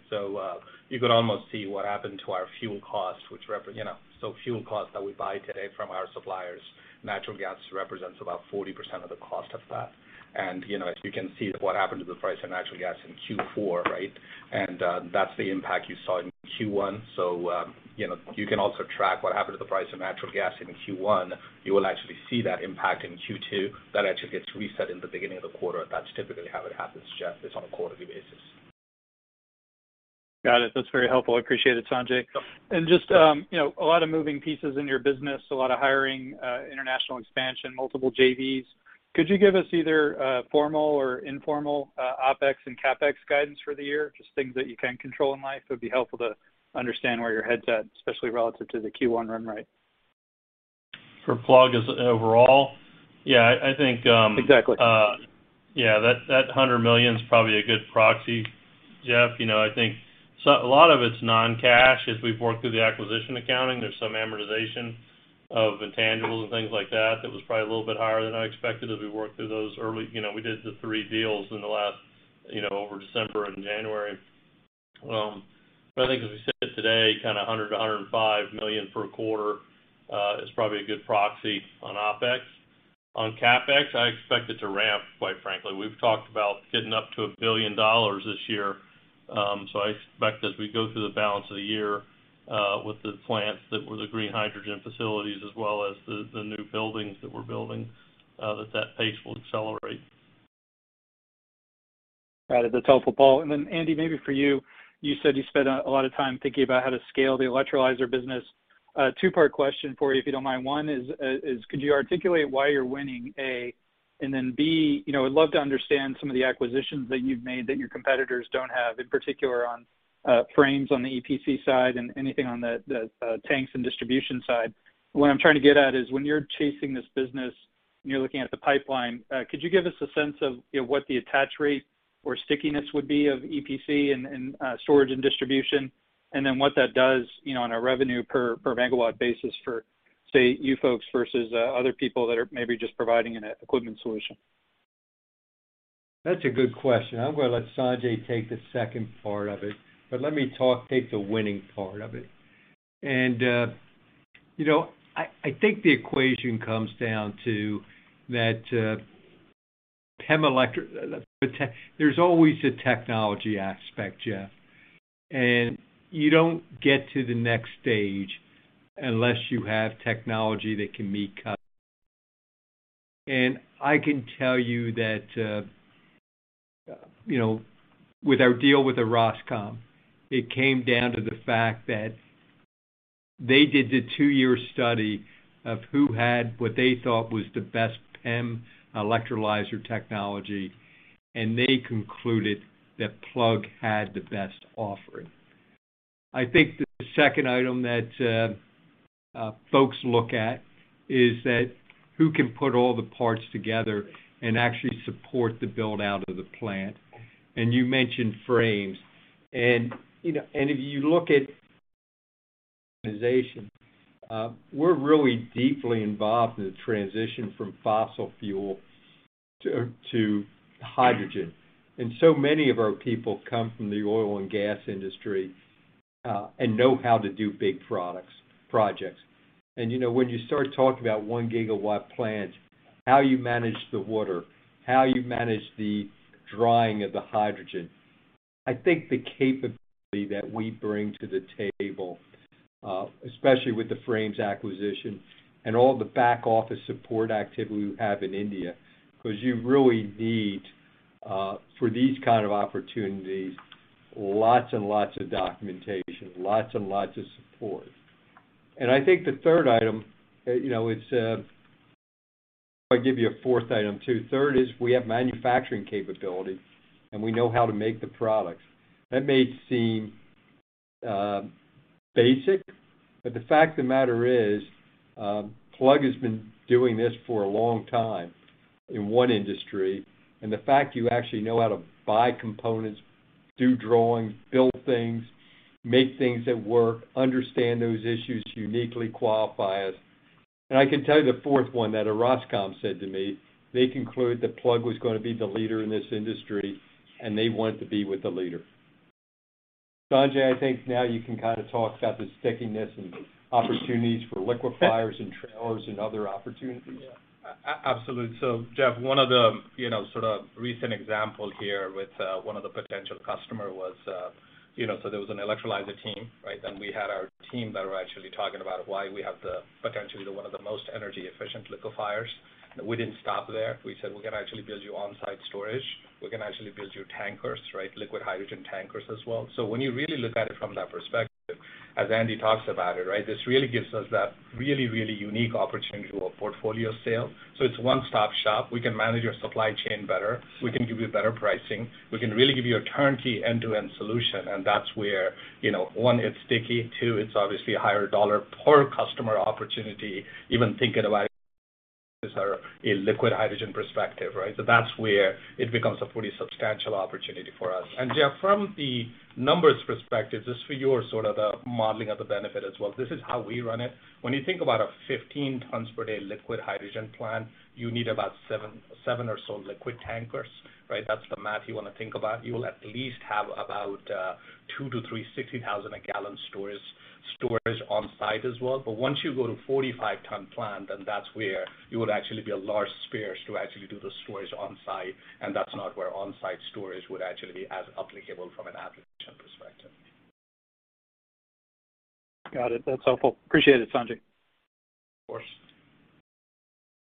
You could almost see what happened to our fuel cost, you know, fuel costs that we buy today from our suppliers, natural gas represents about 40% of the cost of that. You know, as you can see what happened to the price of natural gas in Q4, right? That's the impact you saw in Q1. You know, you can also track what happened to the price of natural gas in Q1. You will actually see that impact in Q2. That actually gets reset in the beginning of the quarter. That's typically how it happens, Jeff. It's on a quarterly basis. Got it. That's very helpful. I appreciate it, Sanjay. Yep. Just, you know, a lot of moving pieces in your business, a lot of hiring, international expansion, multiple JVs. Could you give us either a formal or informal, OpEx and CapEx guidance for the year? Just things that you can control in life. It would be helpful to understand where your head's at, especially relative to the Q1 run rate. For Plug as overall? Yeah, I think. Exactly. Yeah, that $100 million is probably a good proxy, Jeff. You know, I think so, a lot of it's non-cash. As we've worked through the acquisition accounting, there's some amortization of intangibles and things like that that was probably a little bit higher than I expected as we worked through those early. You know, we did the three deals in the last, you know, over December and January. But I think as we sit today, kinda $100 million, $105 million per quarter is probably a good proxy on OpEx. On CapEx, I expect it to ramp, quite frankly. We've talked about getting up to $1 billion this year. I expect as we go through the balance of the year, with the plants that were the green hydrogen facilities as well as the new buildings that we're building, that pace will accelerate. Got it. That's helpful, Paul. Andy, maybe for you. You said you spent a lot of time thinking about how to scale the electrolyzer business. A two-part question for you, if you don't mind. One is, could you articulate why you're winning, A? B, you know, I'd love to understand some of the acquisitions that you've made that your competitors don't have, in particular on Frames on the EPC side and anything on the tanks and distribution side. What I'm trying to get at is when you're chasing this business and you're looking at the pipeline, could you give us a sense of, you know, what the attach rate or stickiness would be of EPC and storage and distribution, and then what that does, you know, on a revenue per megawatt basis for, say, you folks versus other people that are maybe just providing an equipment solution? That's a good question. I'm gonna let Sanjay take the second part of it, but let me take the winning part of it. You know, I think the equation comes down to that, there's always a technology aspect, Jeff, and you don't get to the next stage unless you have technology that can meet customers. I can tell you that, you know, with our deal with the consortium, it came down to the fact that they did the two-year study of who had what they thought was the best PEM electrolyzer technology, and they concluded that Plug had the best offering. I think the second item that folks look at is that who can put all the parts together and actually support the build-out of the plant. You mentioned Frames. If you look at organization, we're really deeply involved in the transition from fossil fuel to hydrogen. So many of our people come from the oil and gas industry, and know how to do big projects. When you start talking about 1 GW plant, how you manage the water, how you manage the drying of the hydrogen. I think the capability that we bring to the table, especially with the Frames acquisition and all the back office support activity we have in India, 'cause you really need, for these kind of opportunities, lots and lots of documentation, lots and lots of support. I think the third item, it's. I'll give you a fourth item, too. Third is we have manufacturing capability, and we know how to make the products. That may seem basic, but the fact of the matter is, Plug has been doing this for a long time in one industry, and the fact you actually know how to buy components, do drawings, build things, make things that work, understand those issues uniquely qualify us. I can tell you the fourth one that Evercore said to me, they concluded that Plug was gonna be the leader in this industry, and they wanted to be with the leader. Sanjay, I think now you can kind of talk about the stickiness and opportunities for liquefiers and trailers and other opportunities. Yeah. Absolutely. Jeff, one of the, you know, sort of recent example here with one of the potential customer was, you know, there was an electrolyzer team, right? Then we had our team that were actually talking about why we have the potentially one of the most energy efficient liquefiers. We didn't stop there. We said, "We can actually build you on-site storage. We can actually build you tankers, right? Liquid hydrogen tankers as well." When you really look at it from that perspective, as Andy talks about it, right? This really gives us that really, really unique opportunity to a portfolio sale. It's one-stop shop. We can manage your supply chain better. We can give you better pricing. We can really give you a turnkey end-to-end solution, and that's where, you know, one, it's sticky, two, it's obviously a higher dollar per customer opportunity, even thinking about it as our liquid hydrogen perspective, right? That's where it becomes a pretty substantial opportunity for us. Jeff, from the numbers perspective, just for your sort of the modeling of the benefit as well, this is how we run it. When you think about a 15 tons per day liquid hydrogen plant, you need about 7 or so liquid tankers, right? That's the math you wanna think about. You will at least have about two to three 60,000-gallon storage on-site as well. Once you go to 45-ton plant, then that's where you would actually be a large scale to actually do the storage on-site, and that's not where on-site storage would actually be as applicable from an application perspective. Got it. That's helpful. Appreciate it, Sanjay. Of course.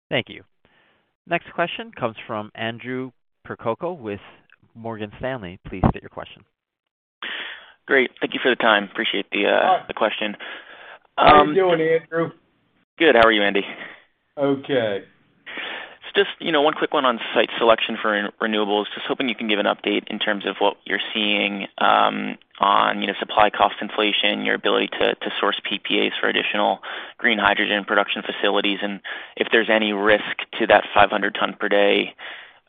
Thank you. Next question comes from Andrew Percoco with Morgan Stanley. Please state your question. Great. Thank you for the time. Appreciate the Hi. The question. How are you doing, Andrew? Good. How are you, Andy? Okay. Just, you know, one quick one on site selection for renewables. Just hoping you can give an update in terms of what you're seeing on, you know, supply cost inflation, your ability to source PPAs for additional green hydrogen production facilities and if there's any risk to that 500 ton per day,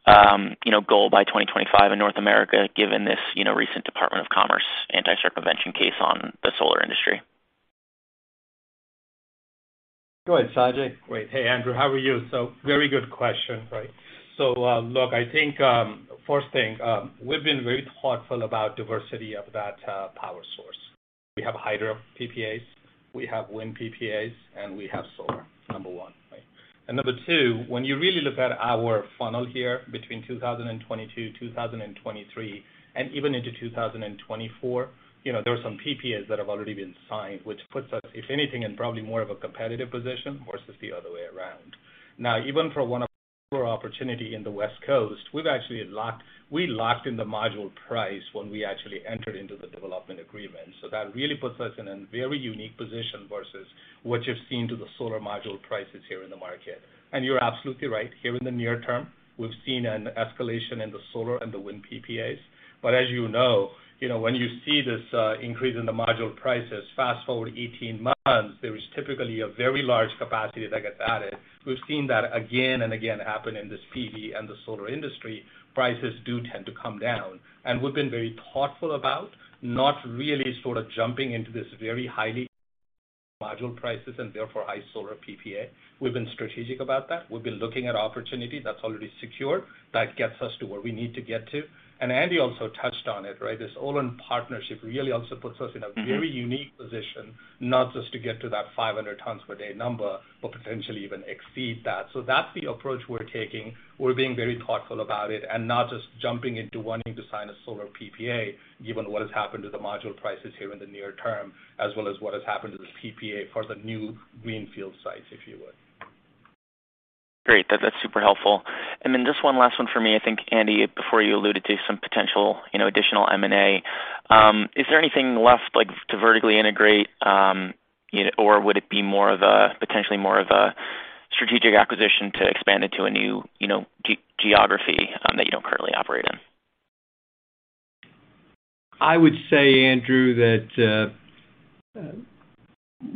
you know, goal by 2025 in North America given this, you know, recent Department of Commerce anti-circumvention case on the solar industry. Go ahead, Sanjay. Great. Hey, Andrew. How are you? Very good question, right? Look, I think, first thing, we've been very thoughtful about diversity of that power source. We have hydro PPAs, we have wind PPAs, and we have solar, number one. Right. Number two, when you really look at our funnel here between 2022, 2023, and even into 2024, there are some PPAs that have already been signed, which puts us, if anything, in probably more of a competitive position versus the other way around. Now, even for one of our opportunity in the West Coast, we've actually locked in the module price when we actually entered into the development agreement. That really puts us in a very unique position versus what you're seeing to the solar module prices here in the market. You're absolutely right. Here in the near term, we've seen an escalation in the solar and the wind PPAs. As you know, you know, when you see this, increase in the module prices, fast-forward 18 months, there is typically a very large capacity that gets added. We've seen that again and again happen in the PV and the solar industry. Prices do tend to come down. We've been very thoughtful about not really sort of jumping into this very high module prices and therefore high solar PPA. We've been strategic about that. We've been looking at opportunity that's already secured that gets us to where we need to get to. Andy also touched on it, right? This Olin partnership really also puts us in a very unique position, not just to get to that 500 tons per day number, but potentially even exceed that. That's the approach we're taking. We're being very thoughtful about it and not just jumping into wanting to sign a solar PPA given what has happened to the module prices here in the near term, as well as what has happened to the PPA for the new greenfield sites, if you would. Great. That's super helpful. Just one last one for me. I think, Andy, before you alluded to some potential, you know, additional M&A. Is there anything left, like, to vertically integrate, you know, or would it be more of a potentially more of a strategic acquisition to expand into a new, you know, geography, that you don't currently operate in? I would say, Andrew, that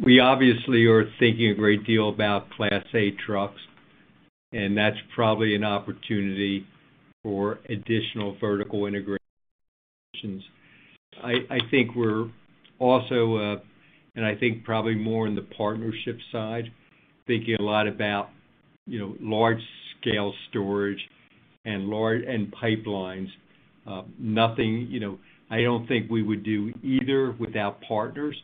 we obviously are thinking a great deal about Class 8 trucks, and that's probably an opportunity for additional vertical integrations. I think we're also and probably more in the partnership side, thinking a lot about, you know, large-scale storage and pipelines. Nothing, you know, I don't think we would do either without partners,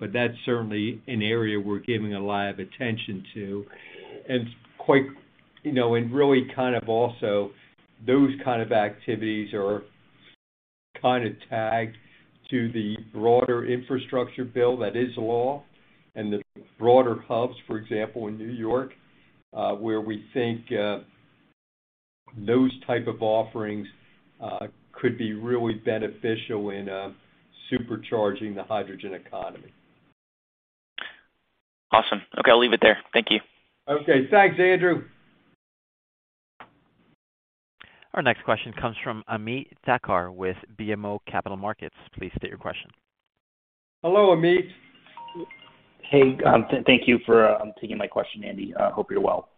but that's certainly an area we're giving a lot of attention to. Quite, you know, and really kind of also those kind of activities are kind of tagged to the broader infrastructure bill that is law and the broader hubs, for example, in New York, where we think those type of offerings could be really beneficial in supercharging the hydrogen economy. Awesome. Okay, I'll leave it there. Thank you. Okay. Thanks, Andrew. Our next question comes from Ameet Thakkar with BMO Capital Markets. Please state your question. Hello, Ameet. Hey, thank you for taking my question, Andy. Hope you're well.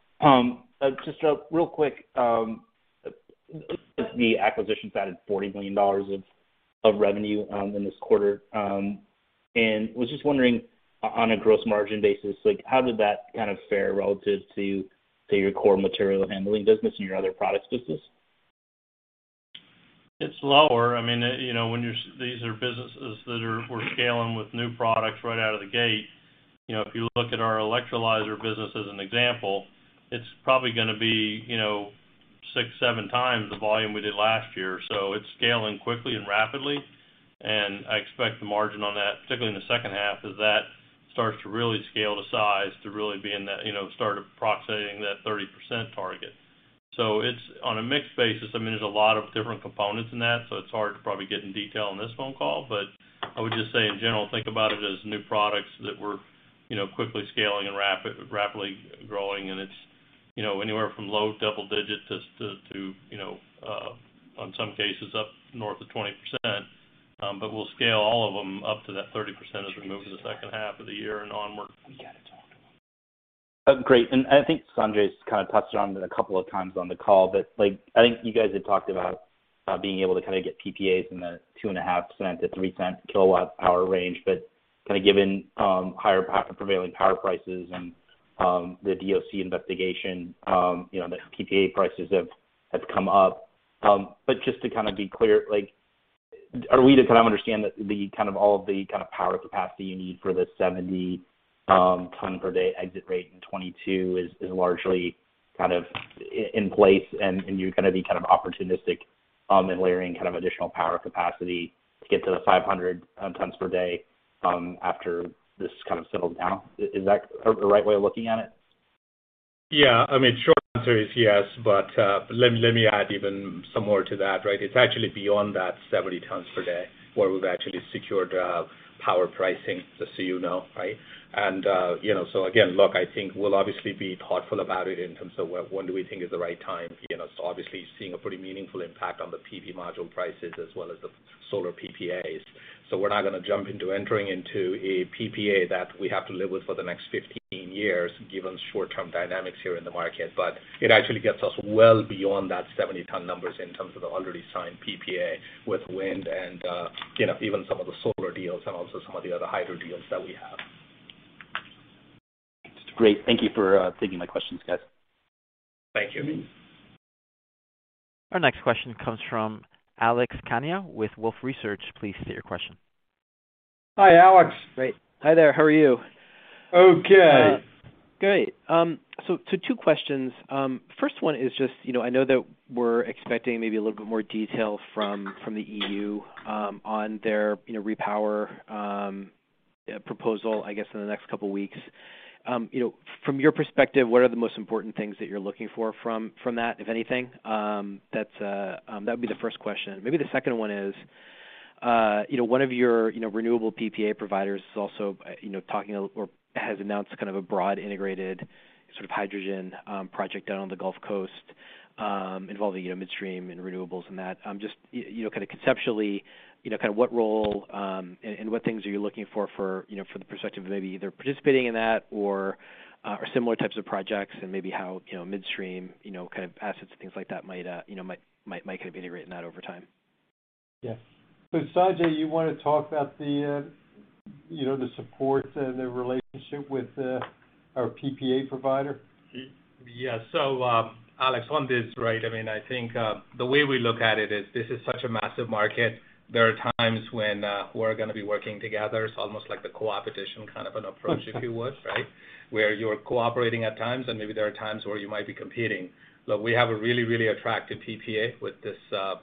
Just real quick, the acquisitions added $40 million of revenue in this quarter, and was just wondering on a gross margin basis, like, how did that kind of fare relative to your core material handling business and your other products business? It's lower. I mean, you know, these are businesses that we're scaling with new products right out of the gate. You know, if you look at our electrolyzer business as an example, it's probably gonna be, you know, 6x, 7x the volume we did last year. It's scaling quickly and rapidly. I expect the margin on that, particularly in the second half, as that starts to really scale to size, to really be in that, you know, start approximating that 30% target. It's on a mixed basis. I mean, there's a lot of different components in that, so it's hard to probably get in detail on this phone call. I would just say in general, think about it as new products that we're, you know, quickly scaling and rapidly growing. It's, you know, anywhere from low double-digit to you know, in some cases up north of 20%. We'll scale all of them up to that 30% as we move to the second half of the year and onward. Great. I think Sanjay's kind of touched on it a couple of times on the call, but, like, I think you guys had talked about being able to kind of get PPAs in the $0.025-$0.03 kW power range. Kind of given higher prevailing power prices and the DOC investigation, you know, the PPA prices have come up. Just to kind of be clear, like, are we to kind of understand that the kind of all of the kind of power capacity you need for the 70-ton per day exit rate in 2022 is largely in place and you're gonna be kind of opportunistic in layering kind of additional power capacity to get to the 500 tons per day after this kind of settles down? Is that the right way of looking at it? Yeah. I mean, short answer is yes, but let me add even some more to that, right? It's actually beyond that 70 tons per day where we've actually secured power pricing just so you know, right? You know, so again, look, I think we'll obviously be thoughtful about it in terms of when do we think is the right time. You know, so obviously seeing a pretty meaningful impact on the PV module prices as well as the solar PPAs. We're not gonna jump into entering into a PPA that we have to live with for the next 15 years given short-term dynamics here in the market. It actually gets us well beyond that 70-ton numbers in terms of the already signed PPA with wind and, you know, even some of the solar deals and also some of the other hydro deals that we have. Great. Thank you for taking my questions, guys. Thank you. Our next question comes from Alex Kania with Wolfe Research. Please state your question. Hi, Alex. Great. Hi there. How are you? Okay. Great. Two questions. First one is just, you know, I know that we're expecting maybe a little bit more detail from the EU on their REPowerEU proposal, I guess, in the next couple weeks. You know, from your perspective, what are the most important things that you're looking for from that, if anything? That would be the first question. Maybe the second one is, you know, one of your renewable PPA providers is also talking or has announced kind of a broad integrated sort of hydrogen project down on the Gulf Coast, involving midstream and renewables and that. Just, you know, kind of conceptually, you know, kind of what role and what things are you looking for, you know, for the perspective of maybe either participating in that or similar types of projects and maybe how, you know, midstream, you know, kind of assets and things like that might, you know, might kind of be written off over time? Sanjay, you wanna talk about the, you know, the support and the relationship with our PPA provider? Yes. Alex, on this, right, I mean, I think, the way we look at it is this is such a massive market. There are times when, we're gonna be working together. It's almost like the co-opetition kind of an approach, if you would, right? Where you're cooperating at times, and maybe there are times where you might be competing. Look, we have a really, really attractive PPA with this,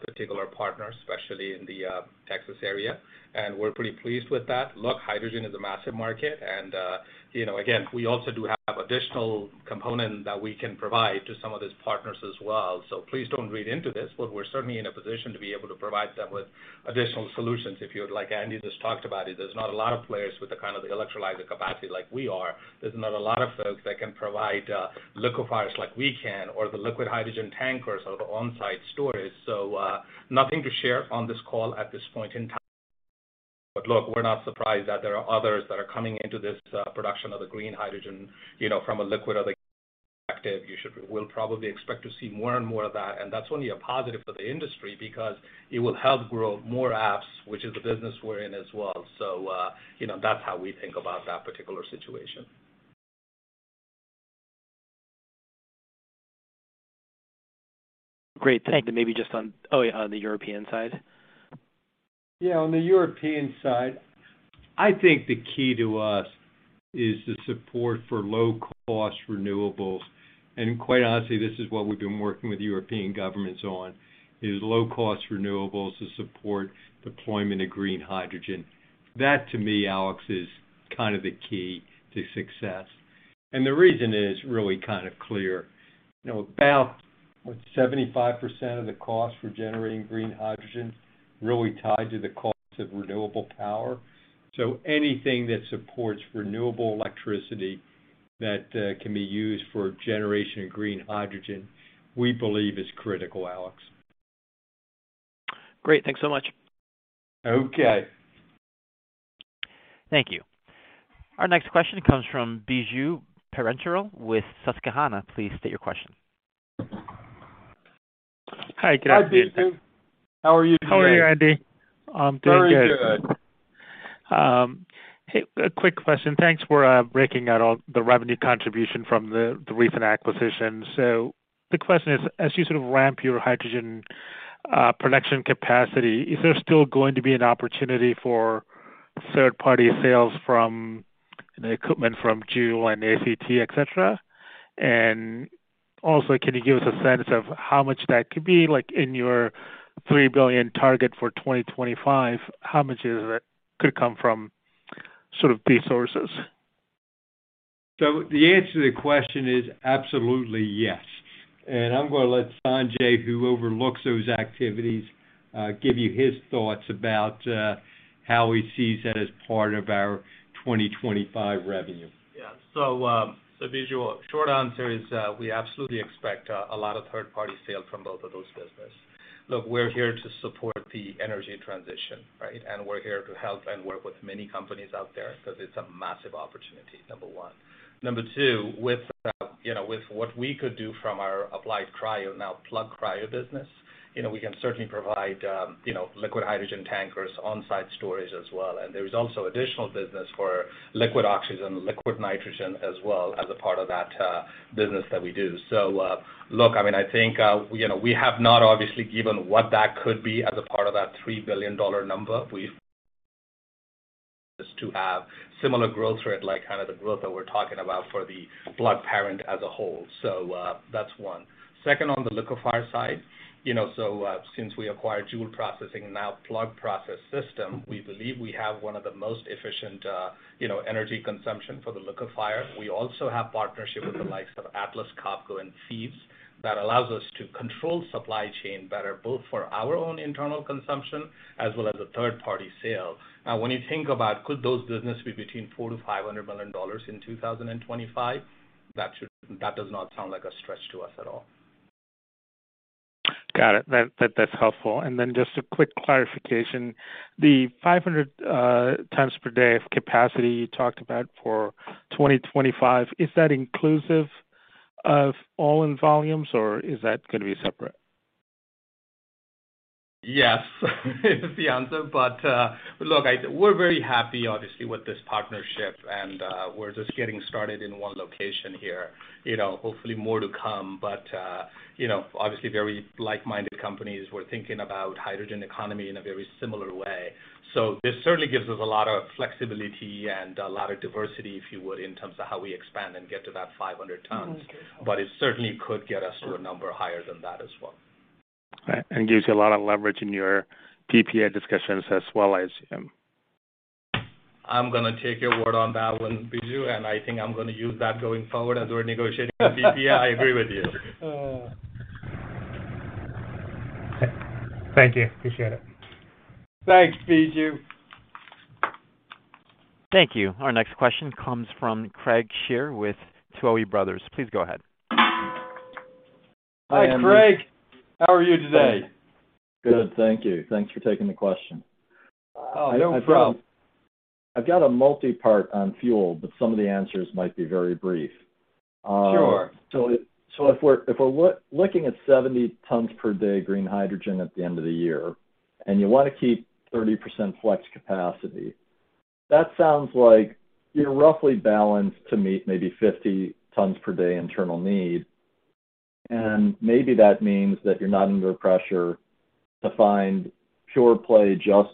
particular partner, especially in the, Texas area, and we're pretty pleased with that. Look, hydrogen is a massive market and, you know, again, we also do have additional component that we can provide to some of these partners as well. Please don't read into this, but we're certainly in a position to be able to provide them with additional solutions if you would. Like Andy just talked about it, there's not a lot of players with the kind of electrolyzer capacity like we are. There's not a lot of folks that can provide liquefiers like we can or the liquid hydrogen tankers or the on-site storage. Nothing to share on this call at this point in time. Look, we're not surprised that there are others that are coming into this production of the green hydrogen, you know, from a liquid or the perspective. We'll probably expect to see more and more of that, and that's only a positive for the industry because it will help grow more apps, which is the business we're in as well. You know, that's how we think about that particular situation. Great, thank you. Oh, yeah, on the European side. Yeah, on the European side, I think the key to us is the support for low-cost renewables. Quite honestly, this is what we've been working with European governments on, is low-cost renewables to support deployment of green hydrogen. That, to me, Alex, is kind of the key to success. The reason is really kind of clear. You know, about what, 75% of the cost for generating green hydrogen really tied to the cost of renewable power. Anything that supports renewable electricity that can be used for generation of green hydrogen, we believe is critical, Alex. Great. Thanks so much. Okay. Thank you. Our next question comes from Biju Perincheril with Susquehanna. Please state your question. Hi. Good afternoon. Hi, Biju. How are you today? How are you, Andy? I'm doing good. Very good. Hey, a quick question. Thanks for breaking out all the revenue contribution from the recent acquisition. The question is, as you sort of ramp your hydrogen production capacity, is there still going to be an opportunity for third-party sales from the equipment from Joule and ACT, et cetera? Also, can you give us a sense of how much that could be like in your $3 billion target for 2025, how much of it could come from sort of these sources? The answer to the question is absolutely yes. I'm gonna let Sanjay, who overlooks those activities, give you his thoughts about how he sees that as part of our 2025 revenue. Yeah. Biju, short answer is, we absolutely expect a lot of third-party sales from both of those businesses. Look, we're here to support the energy transition, right? We're here to help and work with many companies out there because it's a massive opportunity, number one. Number two, you know, with what we could do from our Applied Cryo, now Plug Cryo business, you know, we can certainly provide liquid hydrogen tankers, on-site storage as well. There is also additional business for liquid oxygen, liquid nitrogen as well as a part of that business that we do. Look, I mean, I think, you know, we have not obviously given what that could be as a part of that $3 billion number. We just have to have similar growth rate, like kind of the growth that we're talking about for the Plug parent as a whole. That's one. Second, on the liquefier side, since we acquired Joule Processing, now Plug Process system, we believe we have one of the most efficient energy consumption for the liquefier. We also have partnership with the likes of Atlas Copco and Fives that allows us to control supply chain better, both for our own internal consumption as well as a third-party sale. Now, when you think about could those business be between $400 million-$500 million in 2025, that should – that does not sound like a stretch to us at all. Got it. That's helpful. Just a quick clarification. The 500 tons per day of capacity you talked about for 2025, is that inclusive of all-in volumes, or is that gonna be separate? Yes. Is the answer. We're very happy obviously with this partnership, and we're just getting started in one location here. You know, hopefully more to come. You know, obviously very like-minded companies. We're thinking about hydrogen economy in a very similar way. This certainly gives us a lot of flexibility and a lot of diversity, if you would, in terms of how we expand and get to that 500 tons. It certainly could get us to a number higher than that as well. All right. Gives you a lot of leverage in your PPA discussions as well as. I'm gonna take your word on that one, Biju, and I think I'm gonna use that going forward as we're negotiating the PPA. I agree with you. Thank you. Appreciate it. Thanks, Biju. Thank you. Our next question comes from Craig Shere with Tuohy Brothers. Please go ahead. Hi, Craig. How are you today? Good, thank you. Thanks for taking the question. Oh, no problem. I've got a multi-part on fuel, but some of the answers might be very brief. Sure. If we're looking at 70 tons per day green hydrogen at the end of the year, and you wanna keep 30% flex capacity, that sounds like you're roughly balanced to meet maybe 50 tons per day internal need. Maybe that means that you're not under pressure to find pure play just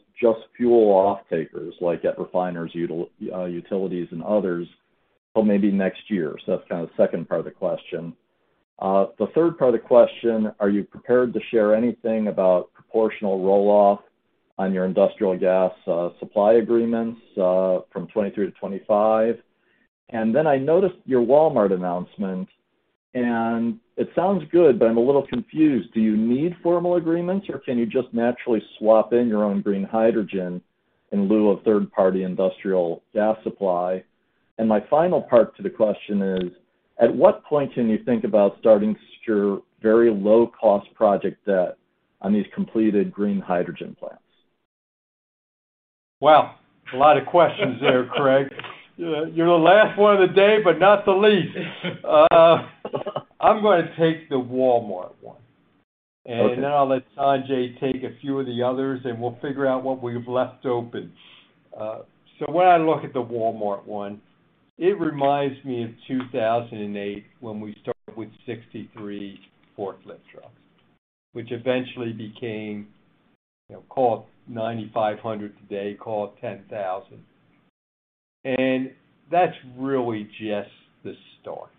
fuel offtakers like at refiners, utilities and others, till maybe next year. That's kind of the second part of the question. The third part of the question, are you prepared to share anything about proportional roll-off on your industrial gas supply agreements from 2023 to 2025? Then I noticed your Walmart announcement, and it sounds good, but I'm a little confused. Do you need formal agreements, or can you just naturally swap in your own green hydrogen in lieu of third-party industrial gas supply? My final part to the question is, at what point can you think about starting to secure very low-cost project debt on these completed green hydrogen plants? Wow, a lot of questions there, Craig. You're the last one of the day, but not the least. I'm gonna take the Walmart one. Okay. I'll let Sanjay take a few of the others, and we'll figure out what we've left open. When I look at the Walmart one, it reminds me of 2008 when we started with 63 forklift trucks, which eventually became, you know, call it 9,500 today, call it 10,000. That's really just the start.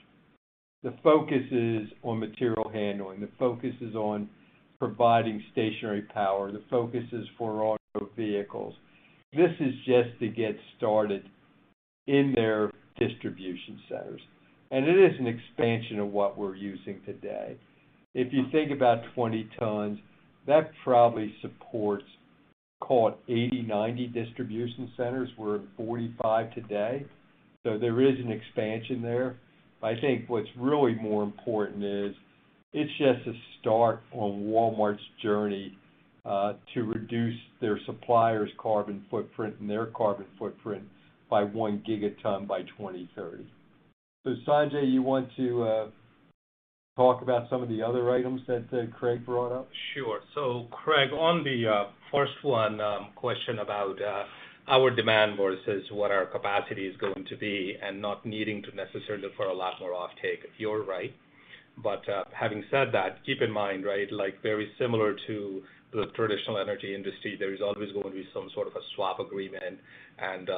The focus is on material handling. The focus is on providing stationary power. The focus is for auto vehicles. This is just to get started in their distribution centers, and it is an expansion of what we're using today. If you think about 20 tons, that probably supports, call it 80, 90 distribution centers. We're at 45 today, so there is an expansion there. I think what's really more important is it's just a start on Walmart's journey to reduce their suppliers' carbon footprint and their carbon footprint by 1 gigaton by 2030. Sanjay, you want to talk about some of the other items that Craig brought up? Sure. Craig, on the first one, question about our demand versus what our capacity is going to be and not needing to necessarily look for a lot more offtake, you're right. Having said that, keep in mind, right, like very similar to the traditional energy industry, there is always going to be some sort of a swap agreement.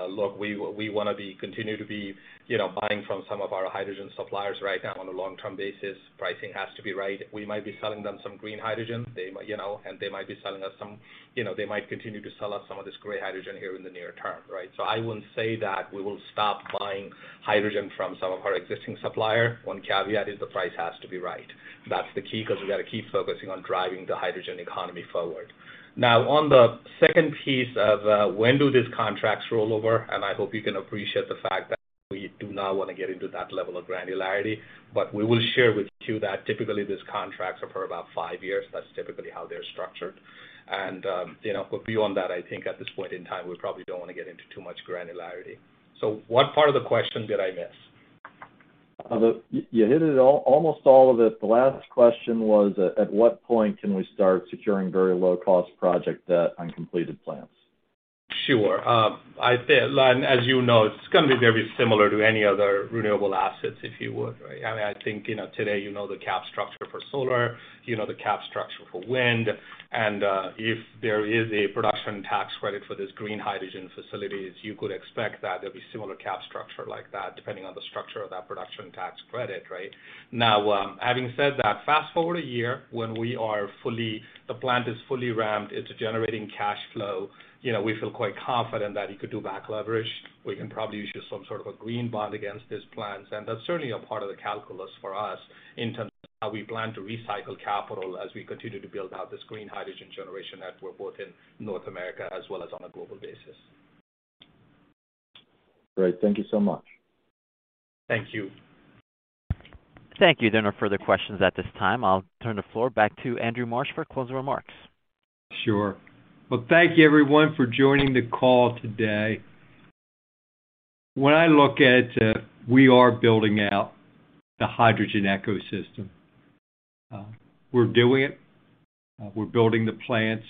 Look, we wanna continue to be, you know, buying from some of our hydrogen suppliers right now on a long-term basis. Pricing has to be right. We might be selling them some green hydrogen. You know, and they might be selling us some. You know, they might continue to sell us some of this gray hydrogen here in the near term, right? I wouldn't say that we will stop buying hydrogen from some of our existing supplier. One caveat is the price has to be right. That's the key, 'cause we gotta keep focusing on driving the hydrogen economy forward. Now, on the second piece of, when do these contracts roll over, and I hope you can appreciate the fact that we do not wanna get into that level of granularity, but we will share with you that typically these contracts are for about five years. That's typically how they're structured. You know, but beyond that, I think at this point in time, we probably don't wanna get into too much granularity. What part of the question did I miss? You hit it almost all of it. The last question was, at what point can we start securing very low-cost project debt on completed plants? Sure. I'd say, as you know, it's gonna be very similar to any other renewable assets, if you would, right? I mean, I think, you know, today, you know the cap structure for solar, you know the cap structure for wind. If there is a production tax credit for this green hydrogen facilities, you could expect that there'll be similar cap structure like that, depending on the structure of that production tax credit, right? Now, having said that, fast-forward a year when the plant is fully ramped into generating cash flow, you know, we feel quite confident that it could do back leverage. We can probably use some sort of a green bond against these plants, and that's certainly a part of the calculus for us in terms of how we plan to recycle capital as we continue to build out this green hydrogen generation network, both in North America as well as on a global basis. Great. Thank you so much. Thank you. Thank you. There are no further questions at this time. I'll turn the floor back to Andy Marsh for closing remarks. Sure. Well, thank you everyone for joining the call today. When I look at, we are building out the hydrogen ecosystem, we're doing it. We're building the plants.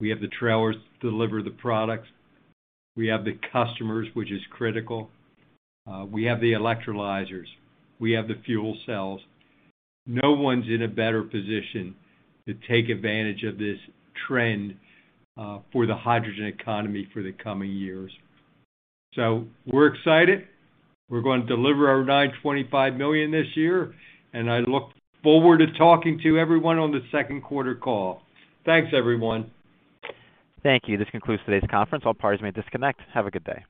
We have the trailers to deliver the products. We have the customers, which is critical. We have the electrolyzers. We have the fuel cells. No one's in a better position to take advantage of this trend, for the hydrogen economy for the coming years. We're excited. We're going to deliver our $925 million this year, and I look forward to talking to everyone on the second quarter call. Thanks, everyone. Thank you. This concludes today's conference. All parties may disconnect. Have a good day.